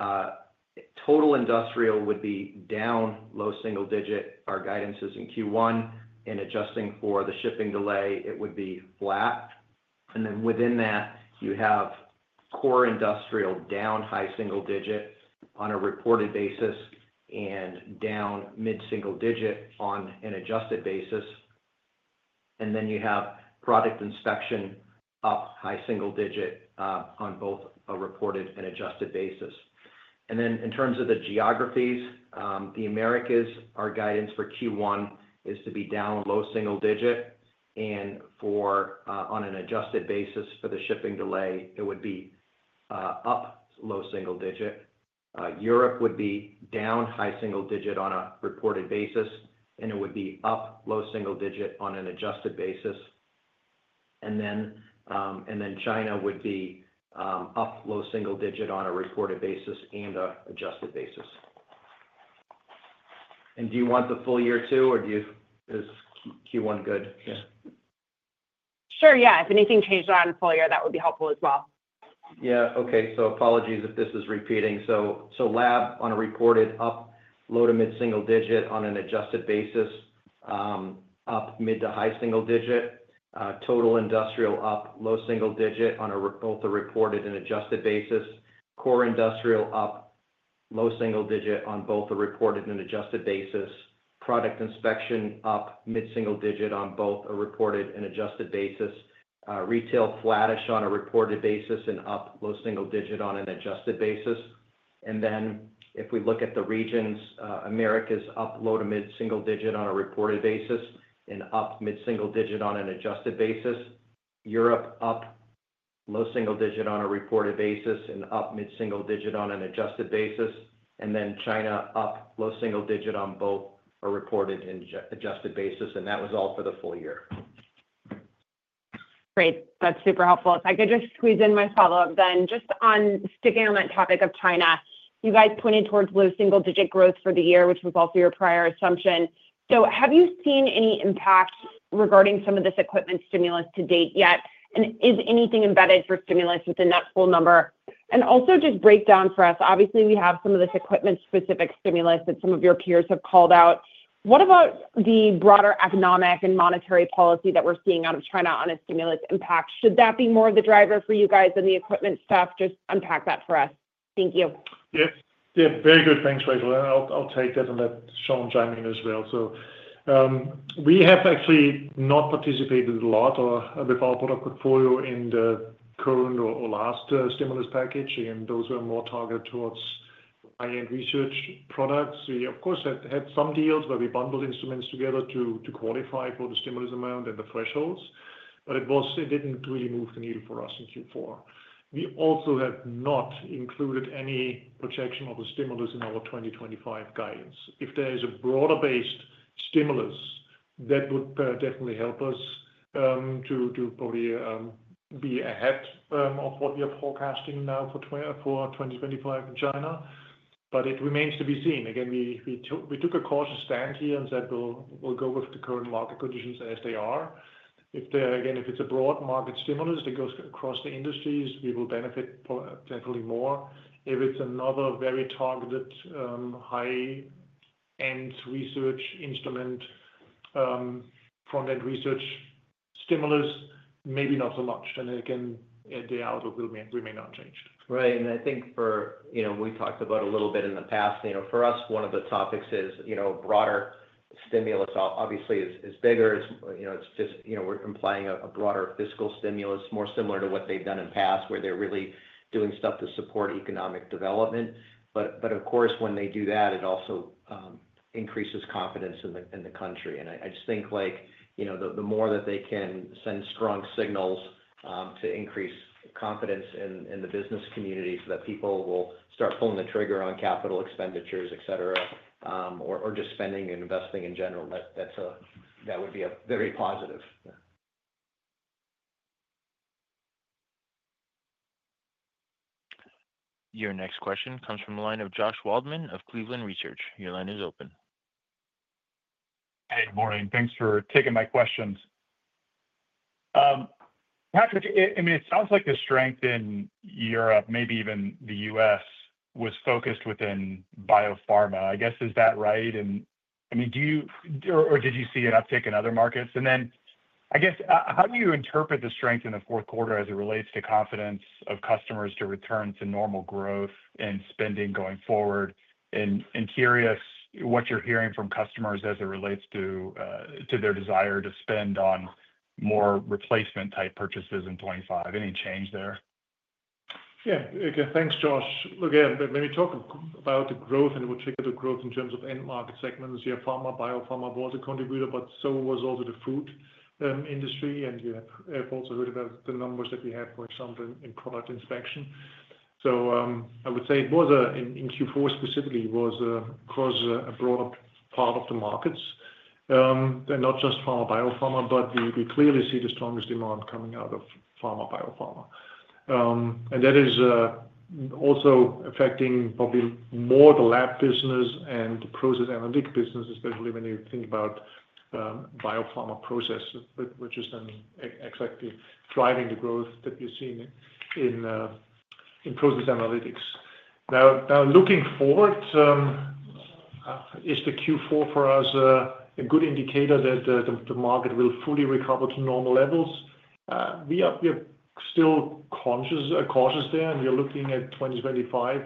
Speaker 5: Q1. Total industrial would be down low single digit. Our guidance is in Q1. Adjusting for the shipping delay, it would be flat. Within that, you have Core Industrial down high single digit on a reported basis and down mid-single digit on an adjusted basis. You have Product Inspection up high single digit on both a reported and adjusted basis. In terms of the geographies, the Americas, our guidance for Q1 is to be down low single digit. And on an adjusted basis for the shipping delay, it would be up low single digit. Europe would be down high single digit on a reported basis, and it would be up low single digit on an adjusted basis. And then China would be up low single digit on a reported basis and an adjusted basis. And do you want the full year too, or is Q1 good? Yeah.
Speaker 9: Sure, yeah. If anything changes on the full year, that would be helpful as well.
Speaker 5: Yeah. Okay. So, apologies if this is repeating. So, lab on a reported up low- to mid-single-digit on an adjusted basis, up mid- to high-single-digit. Total industrial up low-single-digit on both a reported and adjusted basis. Core Industrial up low-single-digit on both a reported and adjusted basis. Product Inspection up mid-single-digit on both a reported and adjusted basis. Retail flattish on a reported basis and up low-single-digit on an adjusted basis. And then if we look at the regions, Americas up low- to mid-single-digit on a reported basis and up mid-single-digit on an adjusted basis. Europe up low-single-digit on a reported basis and up mid-single-digit on an adjusted basis. And then China up low-single-digit on both a reported and adjusted basis. And that was all for the full year.
Speaker 9: Great. That's super helpful. If I could just squeeze in my follow-up then, just on sticking on that topic of China, you guys pointed towards low single-digit growth for the year, which was also your prior assumption. So have you seen any impact regarding some of this equipment stimulus to date yet? And is anything embedded for stimulus within that full number? And also just break down for us. Obviously, we have some of this equipment-specific stimulus that some of your peers have called out. What about the broader economic and monetary policy that we're seeing out of China on a stimulus impact? Should that be more of the driver for you guys than the equipment stuff? Just unpack that for us. Thank you.
Speaker 3: Yeah, very good. Thanks, Rachel. And I'll take that and let Shawn chime in as well. So we have actually not participated a lot with our product portfolio in the current or last stimulus package. And those were more targeted towards high-end research products. We, of course, had some deals where we bundled instruments together to qualify for the stimulus amount and the thresholds, but it didn't really move the needle for us in Q4. We also have not included any projection of the stimulus in our 2025 guidance. If there is a broader-based stimulus, that would definitely help us to probably be ahead of what we are forecasting now for 2025 in China. But it remains to be seen. Again, we took a cautious stand here and said, "We'll go with the current market conditions as they are." Again, if it's a broad market stimulus that goes across the industries, we will benefit definitely more. If it's another very targeted high-end research instrument, front-end research stimulus, maybe not so much. And again, the outlook will remain unchanged.
Speaker 5: Right, and I think we talked about a little bit in the past. For us, one of the topics is broader stimulus. Obviously, it's bigger. It's just we're implying a broader fiscal stimulus, more similar to what they've done in the past, where they're really doing stuff to support economic development, but of course, when they do that, it also increases confidence in the country, and I just think the more that they can send strong signals to increase confidence in the business community so that people will start pulling the trigger on capital expenditures, etc., or just spending and investing in general, that would be very positive.
Speaker 1: Your next question comes from the line of Josh Waldman of Cleveland Research. Your line is open.
Speaker 3: Hey, good morning. Thanks for taking my questions. Patrick, I mean, it sounds like the strength in Europe, maybe even the US, was focused within biopharma. I guess, is that right? And I mean, or did you see an uptick in other markets? And then I guess, how do you interpret the strength in the fourth quarter as it relates to confidence of customers to return to normal growth and spending going forward? And curious what you're hearing from customers as it relates to their desire to spend on more replacement-type purchases in 2025. Any change there? Yeah. Again, thanks, Josh. Look, let me talk about the growth and we'll take the growth in terms of end market segments. You have pharma, biopharma was a contributor, but so was also the food industry. And you have also heard about the numbers that we have, for example, in Product Inspection. I would say in Q4 specifically, it was across a broader part of the markets. They're not just pharma biopharma, but we clearly see the strongest demand coming out of pharma biopharma. That is also affecting probably more the lab business and the Process Analytics business, especially when you think about biopharma process, which is then exactly driving the growth that you're seeing in Process Analytics. Now, looking forward, is the Q4 for us a good indicator that the market will fully recover to normal levels? We are still cautious there. We're looking at 2025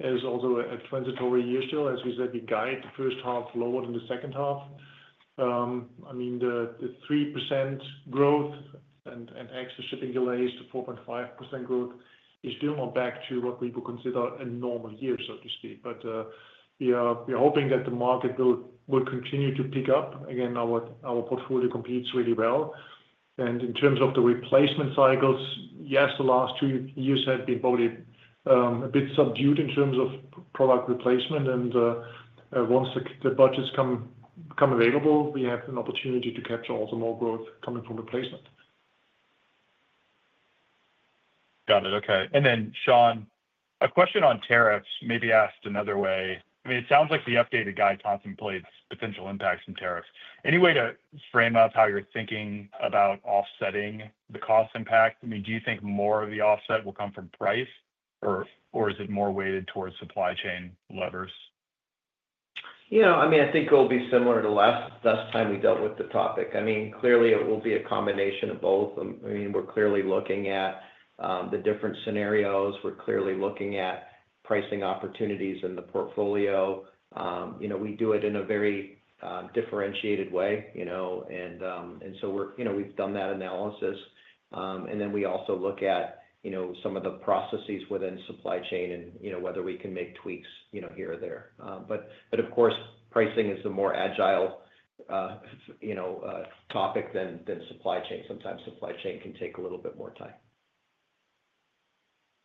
Speaker 3: as also a transitory year still. As we said, we guide the first half lower than the second half. I mean, the 3% growth and ex shipping delays to 4.5% growth is still not back to what we would consider a normal year, so to speak. But we are hoping that the market will continue to pick up. Again, our portfolio competes really well. And in terms of the replacement cycles, yes, the last two years have been probably a bit subdued in terms of product replacement. And once the budgets come available, we have an opportunity to capture also more growth coming from replacement.
Speaker 7: Got it. Okay. And then, Shawn, a question on tariffs may be asked another way. I mean, it sounds like the updated guide contemplates potential impacts in tariffs. Any way to frame up how you're thinking about offsetting the cost impact? I mean, do you think more of the offset will come from price, or is it more weighted towards supply chain levers?
Speaker 5: Yeah. I mean, I think it'll be similar to last time we dealt with the topic. I mean, clearly, it will be a combination of both. I mean, we're clearly looking at the different scenarios. We're clearly looking at pricing opportunities in the portfolio. We do it in a very differentiated way. And so we've done that analysis. And then we also look at some of the processes within supply chain and whether we can make tweaks here or there. But of course, pricing is a more agile topic than supply chain. Sometimes supply chain can take a little bit more time.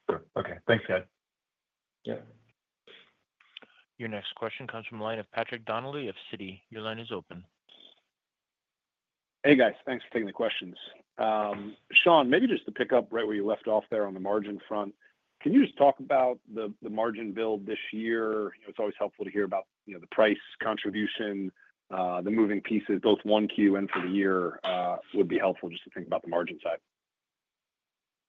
Speaker 7: Sure. Okay. Thanks, guys.
Speaker 5: Yeah.
Speaker 1: Your next question comes from the line of Patrick Donnelly of Citi. Your line is open. Hey, guys. Thanks for taking the questions. Shawn, maybe just to pick up right where you left off there on the margin front, can you just talk about the margin build this year? It's always helpful to hear about the price contribution, the moving pieces, both 1Q and for the year would be helpful just to think about the margin side.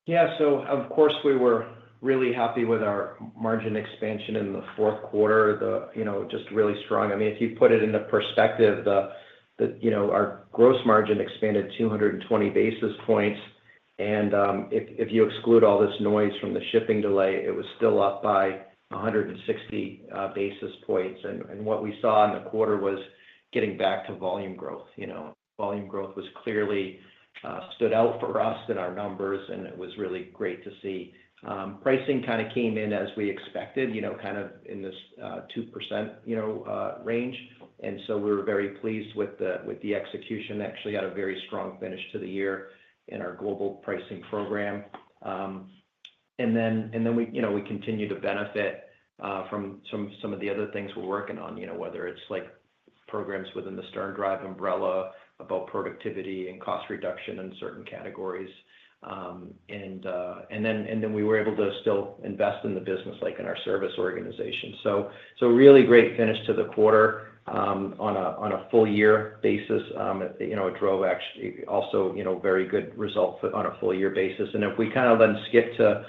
Speaker 5: Yeah. So of course, we were really happy with our margin expansion in the fourth quarter, just really strong. I mean, if you put it into perspective, our gross margin expanded 220 basis points. And if you exclude all this noise from the shipping delay, it was still up by 160 basis points. And what we saw in the quarter was getting back to volume growth. Volume growth clearly stood out for us in our numbers, and it was really great to see. Pricing kind of came in as we expected, kind of in this 2% range. And so we were very pleased with the execution. Actually had a very strong finish to the year in our global pricing program. And then we continue to benefit from some of the other things we're working on, whether it's programs within the SternDrive umbrella about productivity and cost reduction in certain categories. And then we were able to still invest in the business in our service organization. So really great finish to the quarter on a full-year basis. It drove actually also very good results on a full-year basis. And if we kind of then skip to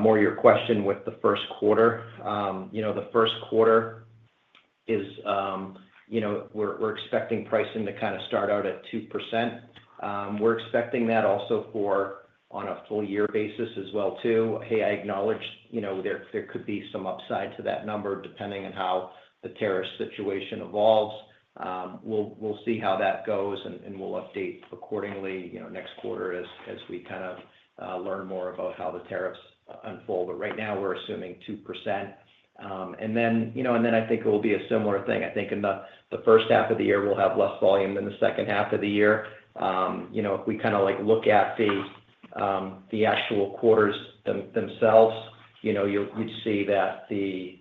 Speaker 5: more your question with the first quarter, the first quarter is we're expecting pricing to kind of start out at 2%. We're expecting that also on a full-year basis as well too. Hey, I acknowledge there could be some upside to that number depending on how the tariff situation evolves. We'll see how that goes, and we'll update accordingly next quarter as we kind of learn more about how the tariffs unfold. But right now, we're assuming 2%. And then I think it will be a similar thing. I think in the first half of the year, we'll have less volume than the second half of the year. If we kind of look at the actual quarters themselves, you'd see that the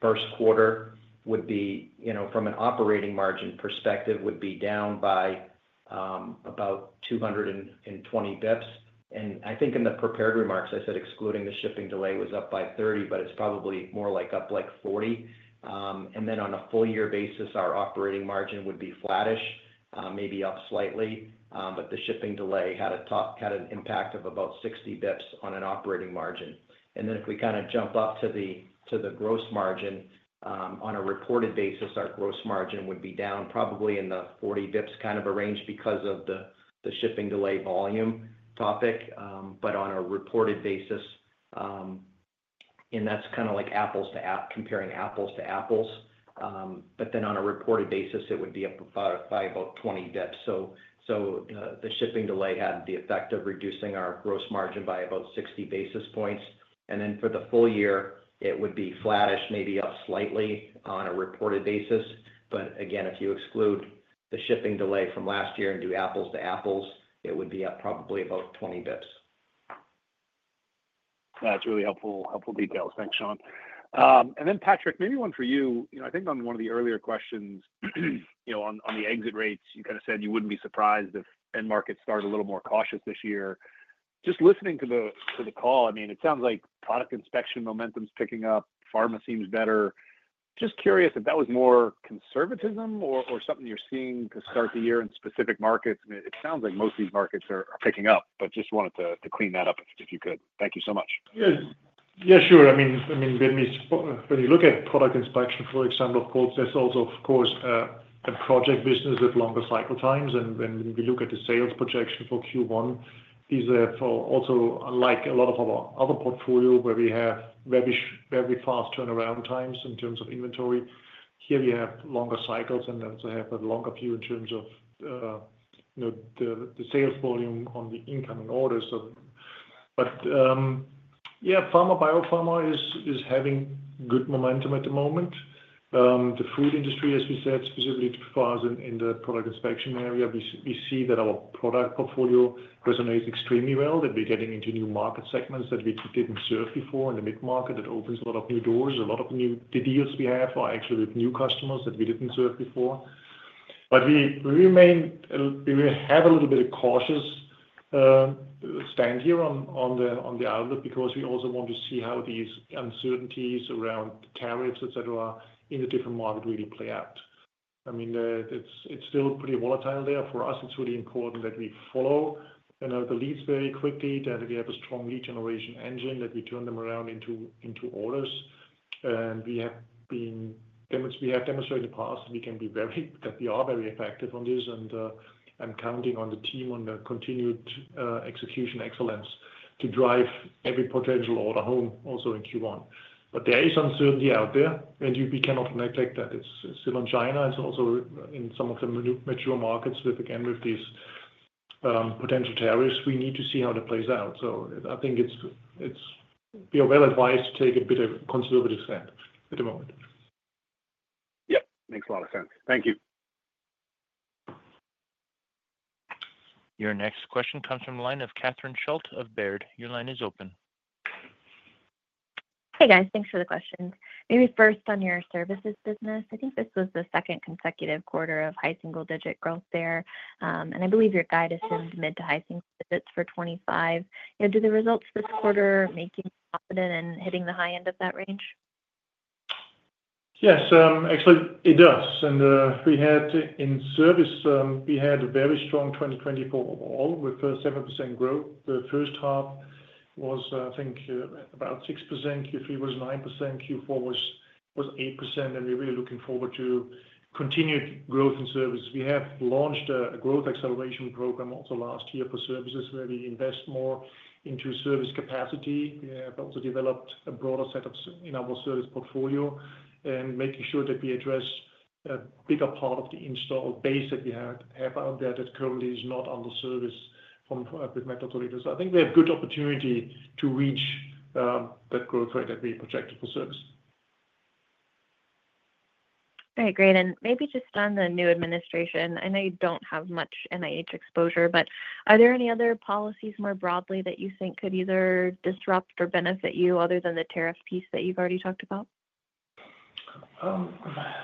Speaker 5: first quarter would be, from an operating margin perspective, down by about 220 basis points. And I think in the prepared remarks, I said excluding the shipping delay, it was up by 30, but it's probably more like up by 40. And then on a full-year basis, our operating margin would be flattish, maybe up slightly. But the shipping delay had an impact of about 60 basis points on an operating margin. And then, if we kind of jump up to the gross margin, on a reported basis, our gross margin would be down probably in the 40 basis points kind of a range because of the shipping delay volume topic. But on a reported basis, and that's kind of like comparing apples to apples. But then on a reported basis, it would be up by about 20 basis points. So the shipping delay had the effect of reducing our gross margin by about 60 basis points. And then for the full year, it would be flattish, maybe up slightly on a reported basis. But again, if you exclude the shipping delay from last year and do apples to apples, it would be up probably about 20 basis points.
Speaker 10: That's really helpful details. Thanks, Shawn. And then, Patrick, maybe one for you. I think on one of the earlier questions on the exit rates, you kind of said you wouldn't be surprised if end markets start a little more cautious this year. Just listening to the call, I mean, it sounds like Product Inspection momentum is picking up. Pharma seems better. Just curious if that was more conservatism or something you're seeing to start the year in specific markets. It sounds like most of these markets are picking up, but just wanted to clean that up if you could. Thank you so much.
Speaker 3: Yeah, sure. I mean, when you look at Product Inspection, for example, of course, that's also, of course, a project business with longer cycle times, and when we look at the sales projection for Q1, these are also unlike a lot of our other portfolio where we have very fast turnaround times in terms of inventory. Here, we have longer cycles and also have a longer view in terms of the sales volume on the incoming orders, but yeah, pharma biopharma is having good momentum at the moment. The food industry, as we said, specifically the firms in the Product Inspection area, we see that our product portfolio resonates extremely well, that we're getting into new market segments that we didn't serve before in the mid-market. It opens a lot of new doors. A lot of the deals we have are actually with new customers that we didn't serve before. But we have a little bit of a cautious stand here on the outlook because we also want to see how these uncertainties around tariffs, etc., in the different markets really play out. I mean, it's still pretty volatile there for us. It's really important that we follow the leads very quickly, that we have a strong lead generation engine, that we turn them around into orders. And we have demonstrated in the past that we can be very effective on this. And I'm counting on the team on the continued execution excellence to drive every potential order home also in Q1. But there is uncertainty out there, and we cannot neglect that. It's still in China. It's also in some of the mature markets with, again, with these potential tariffs. We need to see how it plays out. I think we are well advised to take a bit of a conservative stand at the moment.
Speaker 7: Yep. Makes a lot of sense. Thank you.
Speaker 1: Your next question comes from the line of Catherine Schulte of Baird. Your line is open. Hey, guys. Thanks for the questions. Maybe first on your services business. I think this was the second consecutive quarter of high single-digit growth there. And I believe your guide assumed mid to high single digits for 2025. Do the results this quarter make you confident in hitting the high end of that range?
Speaker 3: Yes. Actually, it does. And in service, we had a very strong 2024 overall with 7% growth. The first half was, I think, about 6%. Q3 was 9%. Q4 was 8%. And we're really looking forward to continued growth in service. We have launched a growth acceleration program also last year for services where we invest more into service capacity. We have also developed a broader setup in our service portfolio and making sure that we address a bigger part of the installed base that we have out there that currently is not under service with metal detectors. I think we have a good opportunity to reach that growth rate that we projected for service.
Speaker 9: All right. Great. And maybe just on the new administration, I know you don't have much NIH exposure, but are there any other policies more broadly that you think could either disrupt or benefit you other than the tariff piece that you've already talked about?
Speaker 3: I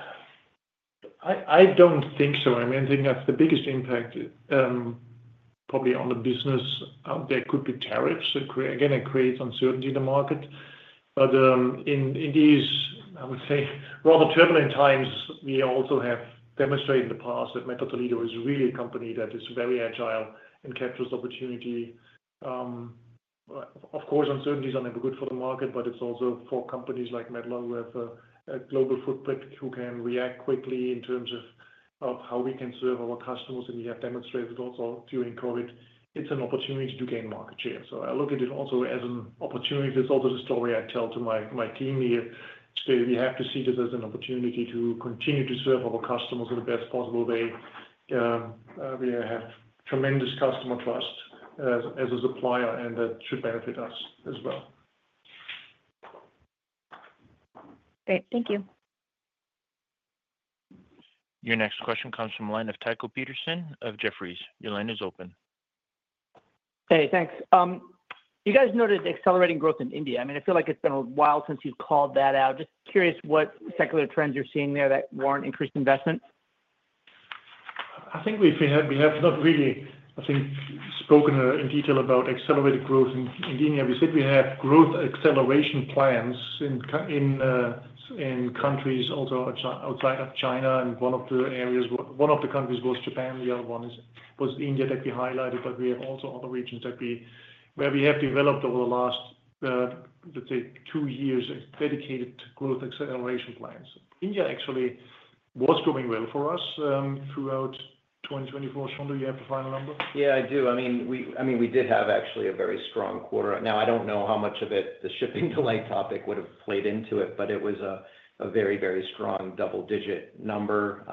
Speaker 3: don't think so. I mean, I think that's the biggest impact probably on the business out there could be tariffs. Again, it creates uncertainty in the market. But in these, I would say, rather turbulent times, we also have demonstrated in the past that Mettler-Toledo is really a company that is very agile and captures opportunity. Of course, uncertainties are never good for the market, but it's also for companies like Mettler-Toledo with a global footprint who can react quickly in terms of how we can serve our customers. And we have demonstrated also during COVID, it's an opportunity to gain market share. So I look at it also as an opportunity. It's also the story I tell to my team here. We have to see this as an opportunity to continue to serve our customers in the best possible way. We have tremendous customer trust as a supplier, and that should benefit us as well.
Speaker 9: Great. Thank you.
Speaker 1: Your next question comes from the line of Tycho Peterson of Jefferies. Your line is open.
Speaker 11: Hey, thanks. You guys noted accelerating growth in India. I mean, I feel like it's been a while since you've called that out. Just curious what secular trends you're seeing there that warrant increased investment.
Speaker 3: I think we have not really, I think, spoken in detail about accelerated growth in India. We said we have growth acceleration plans in countries also outside of China, and one of the areas, one of the countries was Japan. The other one was India that we highlighted. But we have also other regions where we have developed over the last, let's say, two years dedicated to growth acceleration plans. India actually was going well for us throughout 2024. Shawn, do you have the final number?
Speaker 5: Yeah, I do. I mean, we did have actually a very strong quarter. Now, I don't know how much of it the shipping delay topic would have played into it, but it was a very, very strong double-digit number,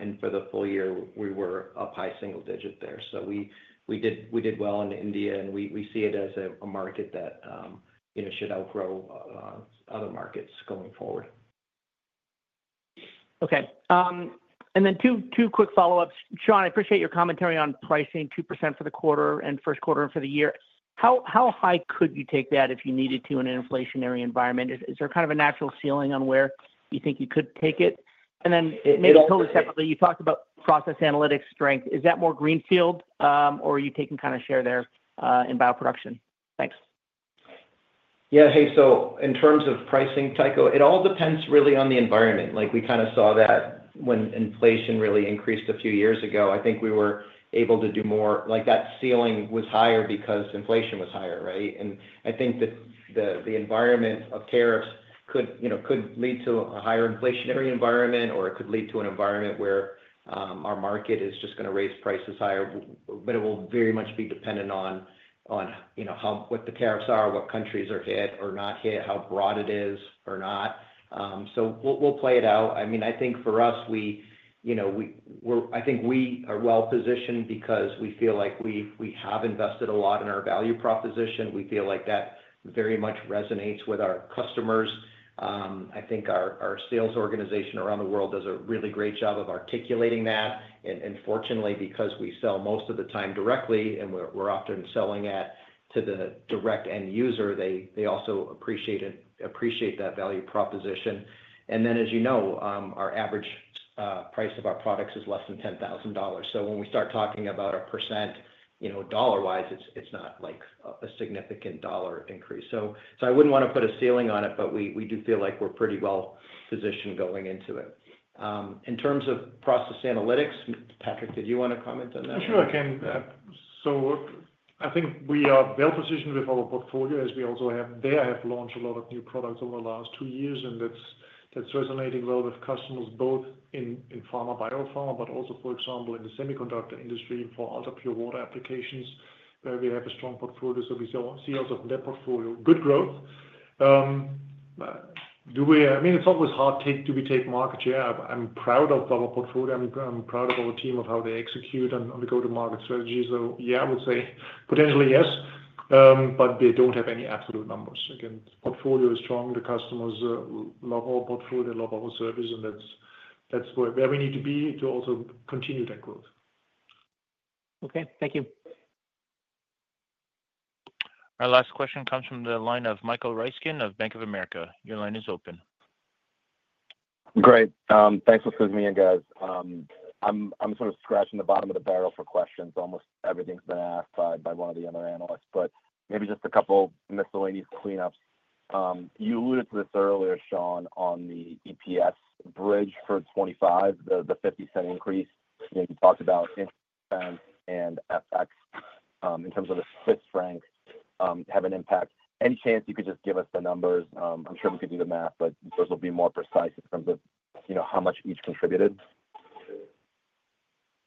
Speaker 5: and for the full year, we were up high single digit there, so we did well in India, and we see it as a market that should outgrow other markets going forward.
Speaker 11: Okay. And then two quick follow-ups. Shawn, I appreciate your commentary on pricing 2% for the quarter and first quarter for the year. How high could you take that if you needed to in an inflationary environment? Is there kind of a natural ceiling on where you think you could take it? And then maybe totally separately, you talked about Process Analytics strength. Is that more greenfield, or are you taking kind of share there in bioproduction? Thanks.
Speaker 5: Yeah. Hey, so in terms of pricing, Tycho, it all depends really on the environment. We kind of saw that when inflation really increased a few years ago. I think we were able to do more like that ceiling was higher because inflation was higher, right? And I think that the environment of tariffs could lead to a higher inflationary environment, or it could lead to an environment where our market is just going to raise prices higher. But it will very much be dependent on what the tariffs are, what countries are hit or not hit, how broad it is or not. So we'll play it out. I mean, I think for us, we are well positioned because we feel like we have invested a lot in our value proposition. We feel like that very much resonates with our customers. I think our sales organization around the world does a really great job of articulating that. And fortunately, because we sell most of the time directly and we're often selling it to the direct end user, they also appreciate that value proposition. And then, as you know, our average price of our products is less than $10,000. So when we start talking about a percent dollar-wise, it's not like a significant dollar increase. So I wouldn't want to put a ceiling on it, but we do feel like we're pretty well positioned going into it. In terms of Process Analytics, Patrick, did you want to comment on that?
Speaker 3: Sure. So I think we are well positioned with our portfolio as we also have launched a lot of new products over the last two years, and that's resonating well with customers both in pharma, biopharma, but also, for example, in the semiconductor industry for ultrapure water applications where we have a strong portfolio. So we see a lot of net portfolio, good growth. I mean, it's always hard to take market share. I'm proud of our portfolio. I'm proud of our team of how they execute and we go to market strategy. So yeah, I would say potentially yes, but they don't have any absolute numbers. Again, the portfolio is strong. The customers love our portfolio, love our service, and that's where we need to be to also continue that growth.
Speaker 11: Okay. Thank you.
Speaker 1: Our last question comes from the line of Michael Ryskin of Bank of America. Your line is open.
Speaker 12: Great. Thanks for sitting with me again, guys. I'm sort of scratching the bottom of the barrel for questions. Almost everything's been asked by one of the other analysts. But maybe just a couple of miscellaneous cleanups. You alluded to this earlier, Shawn, on the EPS bridge for 2025, the $0.50 increase. You talked about inorganic and FX in terms of the Swiss franc have an impact. Any chance you could just give us the numbers? I'm sure we could do the math, but yours will be more precise in terms of how much each contributed.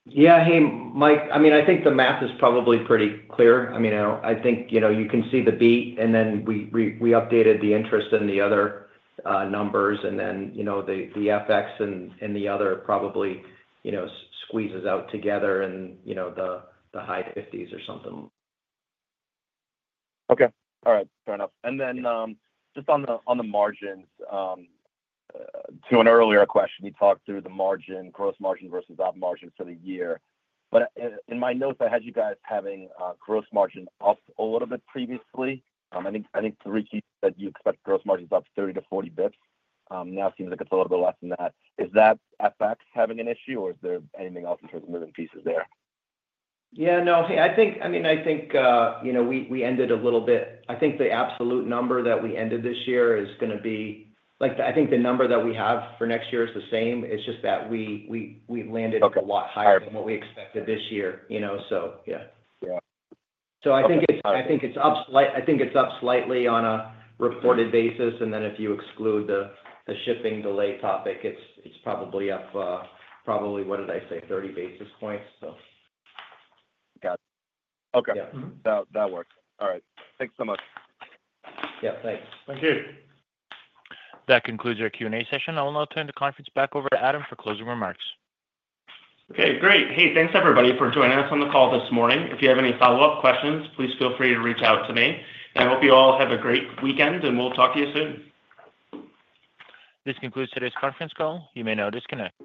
Speaker 5: Yeah. Hey, Mike, I mean, I think the math is probably pretty clear. I mean, I think you can see the beat, and then we updated the interest in the other numbers, and then the FX and the other probably squeezes out together in the high 50s or something.
Speaker 12: Okay. All right. Fair enough. And then just on the margins, to an earlier question, you talked through the gross margin versus operating margin for the year. But in my notes, I had you guys having gross margin up a little bit previously. I think Q3 that you expect gross margins up 30-40 basis points. Now it seems like it's a little bit less than that. Is that FX having an issue, or is there anything else in terms of moving parts there?
Speaker 5: Yeah. No. I mean, I think we ended a little bit. I think the absolute number that we ended this year is going to be. I think the number that we have for next year is the same. It's just that we landed a lot higher than what we expected this year. So yeah. So I think it's up slightly on a reported basis. And then if you exclude the shipping delay topic, it's probably up, what did I say, 30 basis points, so.
Speaker 12: Got it. Okay. That works. All right. Thanks so much.
Speaker 5: Yeah. Thanks.
Speaker 3: Thank you.
Speaker 1: That concludes our Q&A session. I'll now turn the conference back over to Adam for closing remarks. Okay. Great. Hey, thanks everybody for joining us on the call this morning. If you have any follow-up questions, please feel free to reach out to me, and I hope you all have a great weekend, and we'll talk to you soon. This concludes today's conference call. You may now disconnect.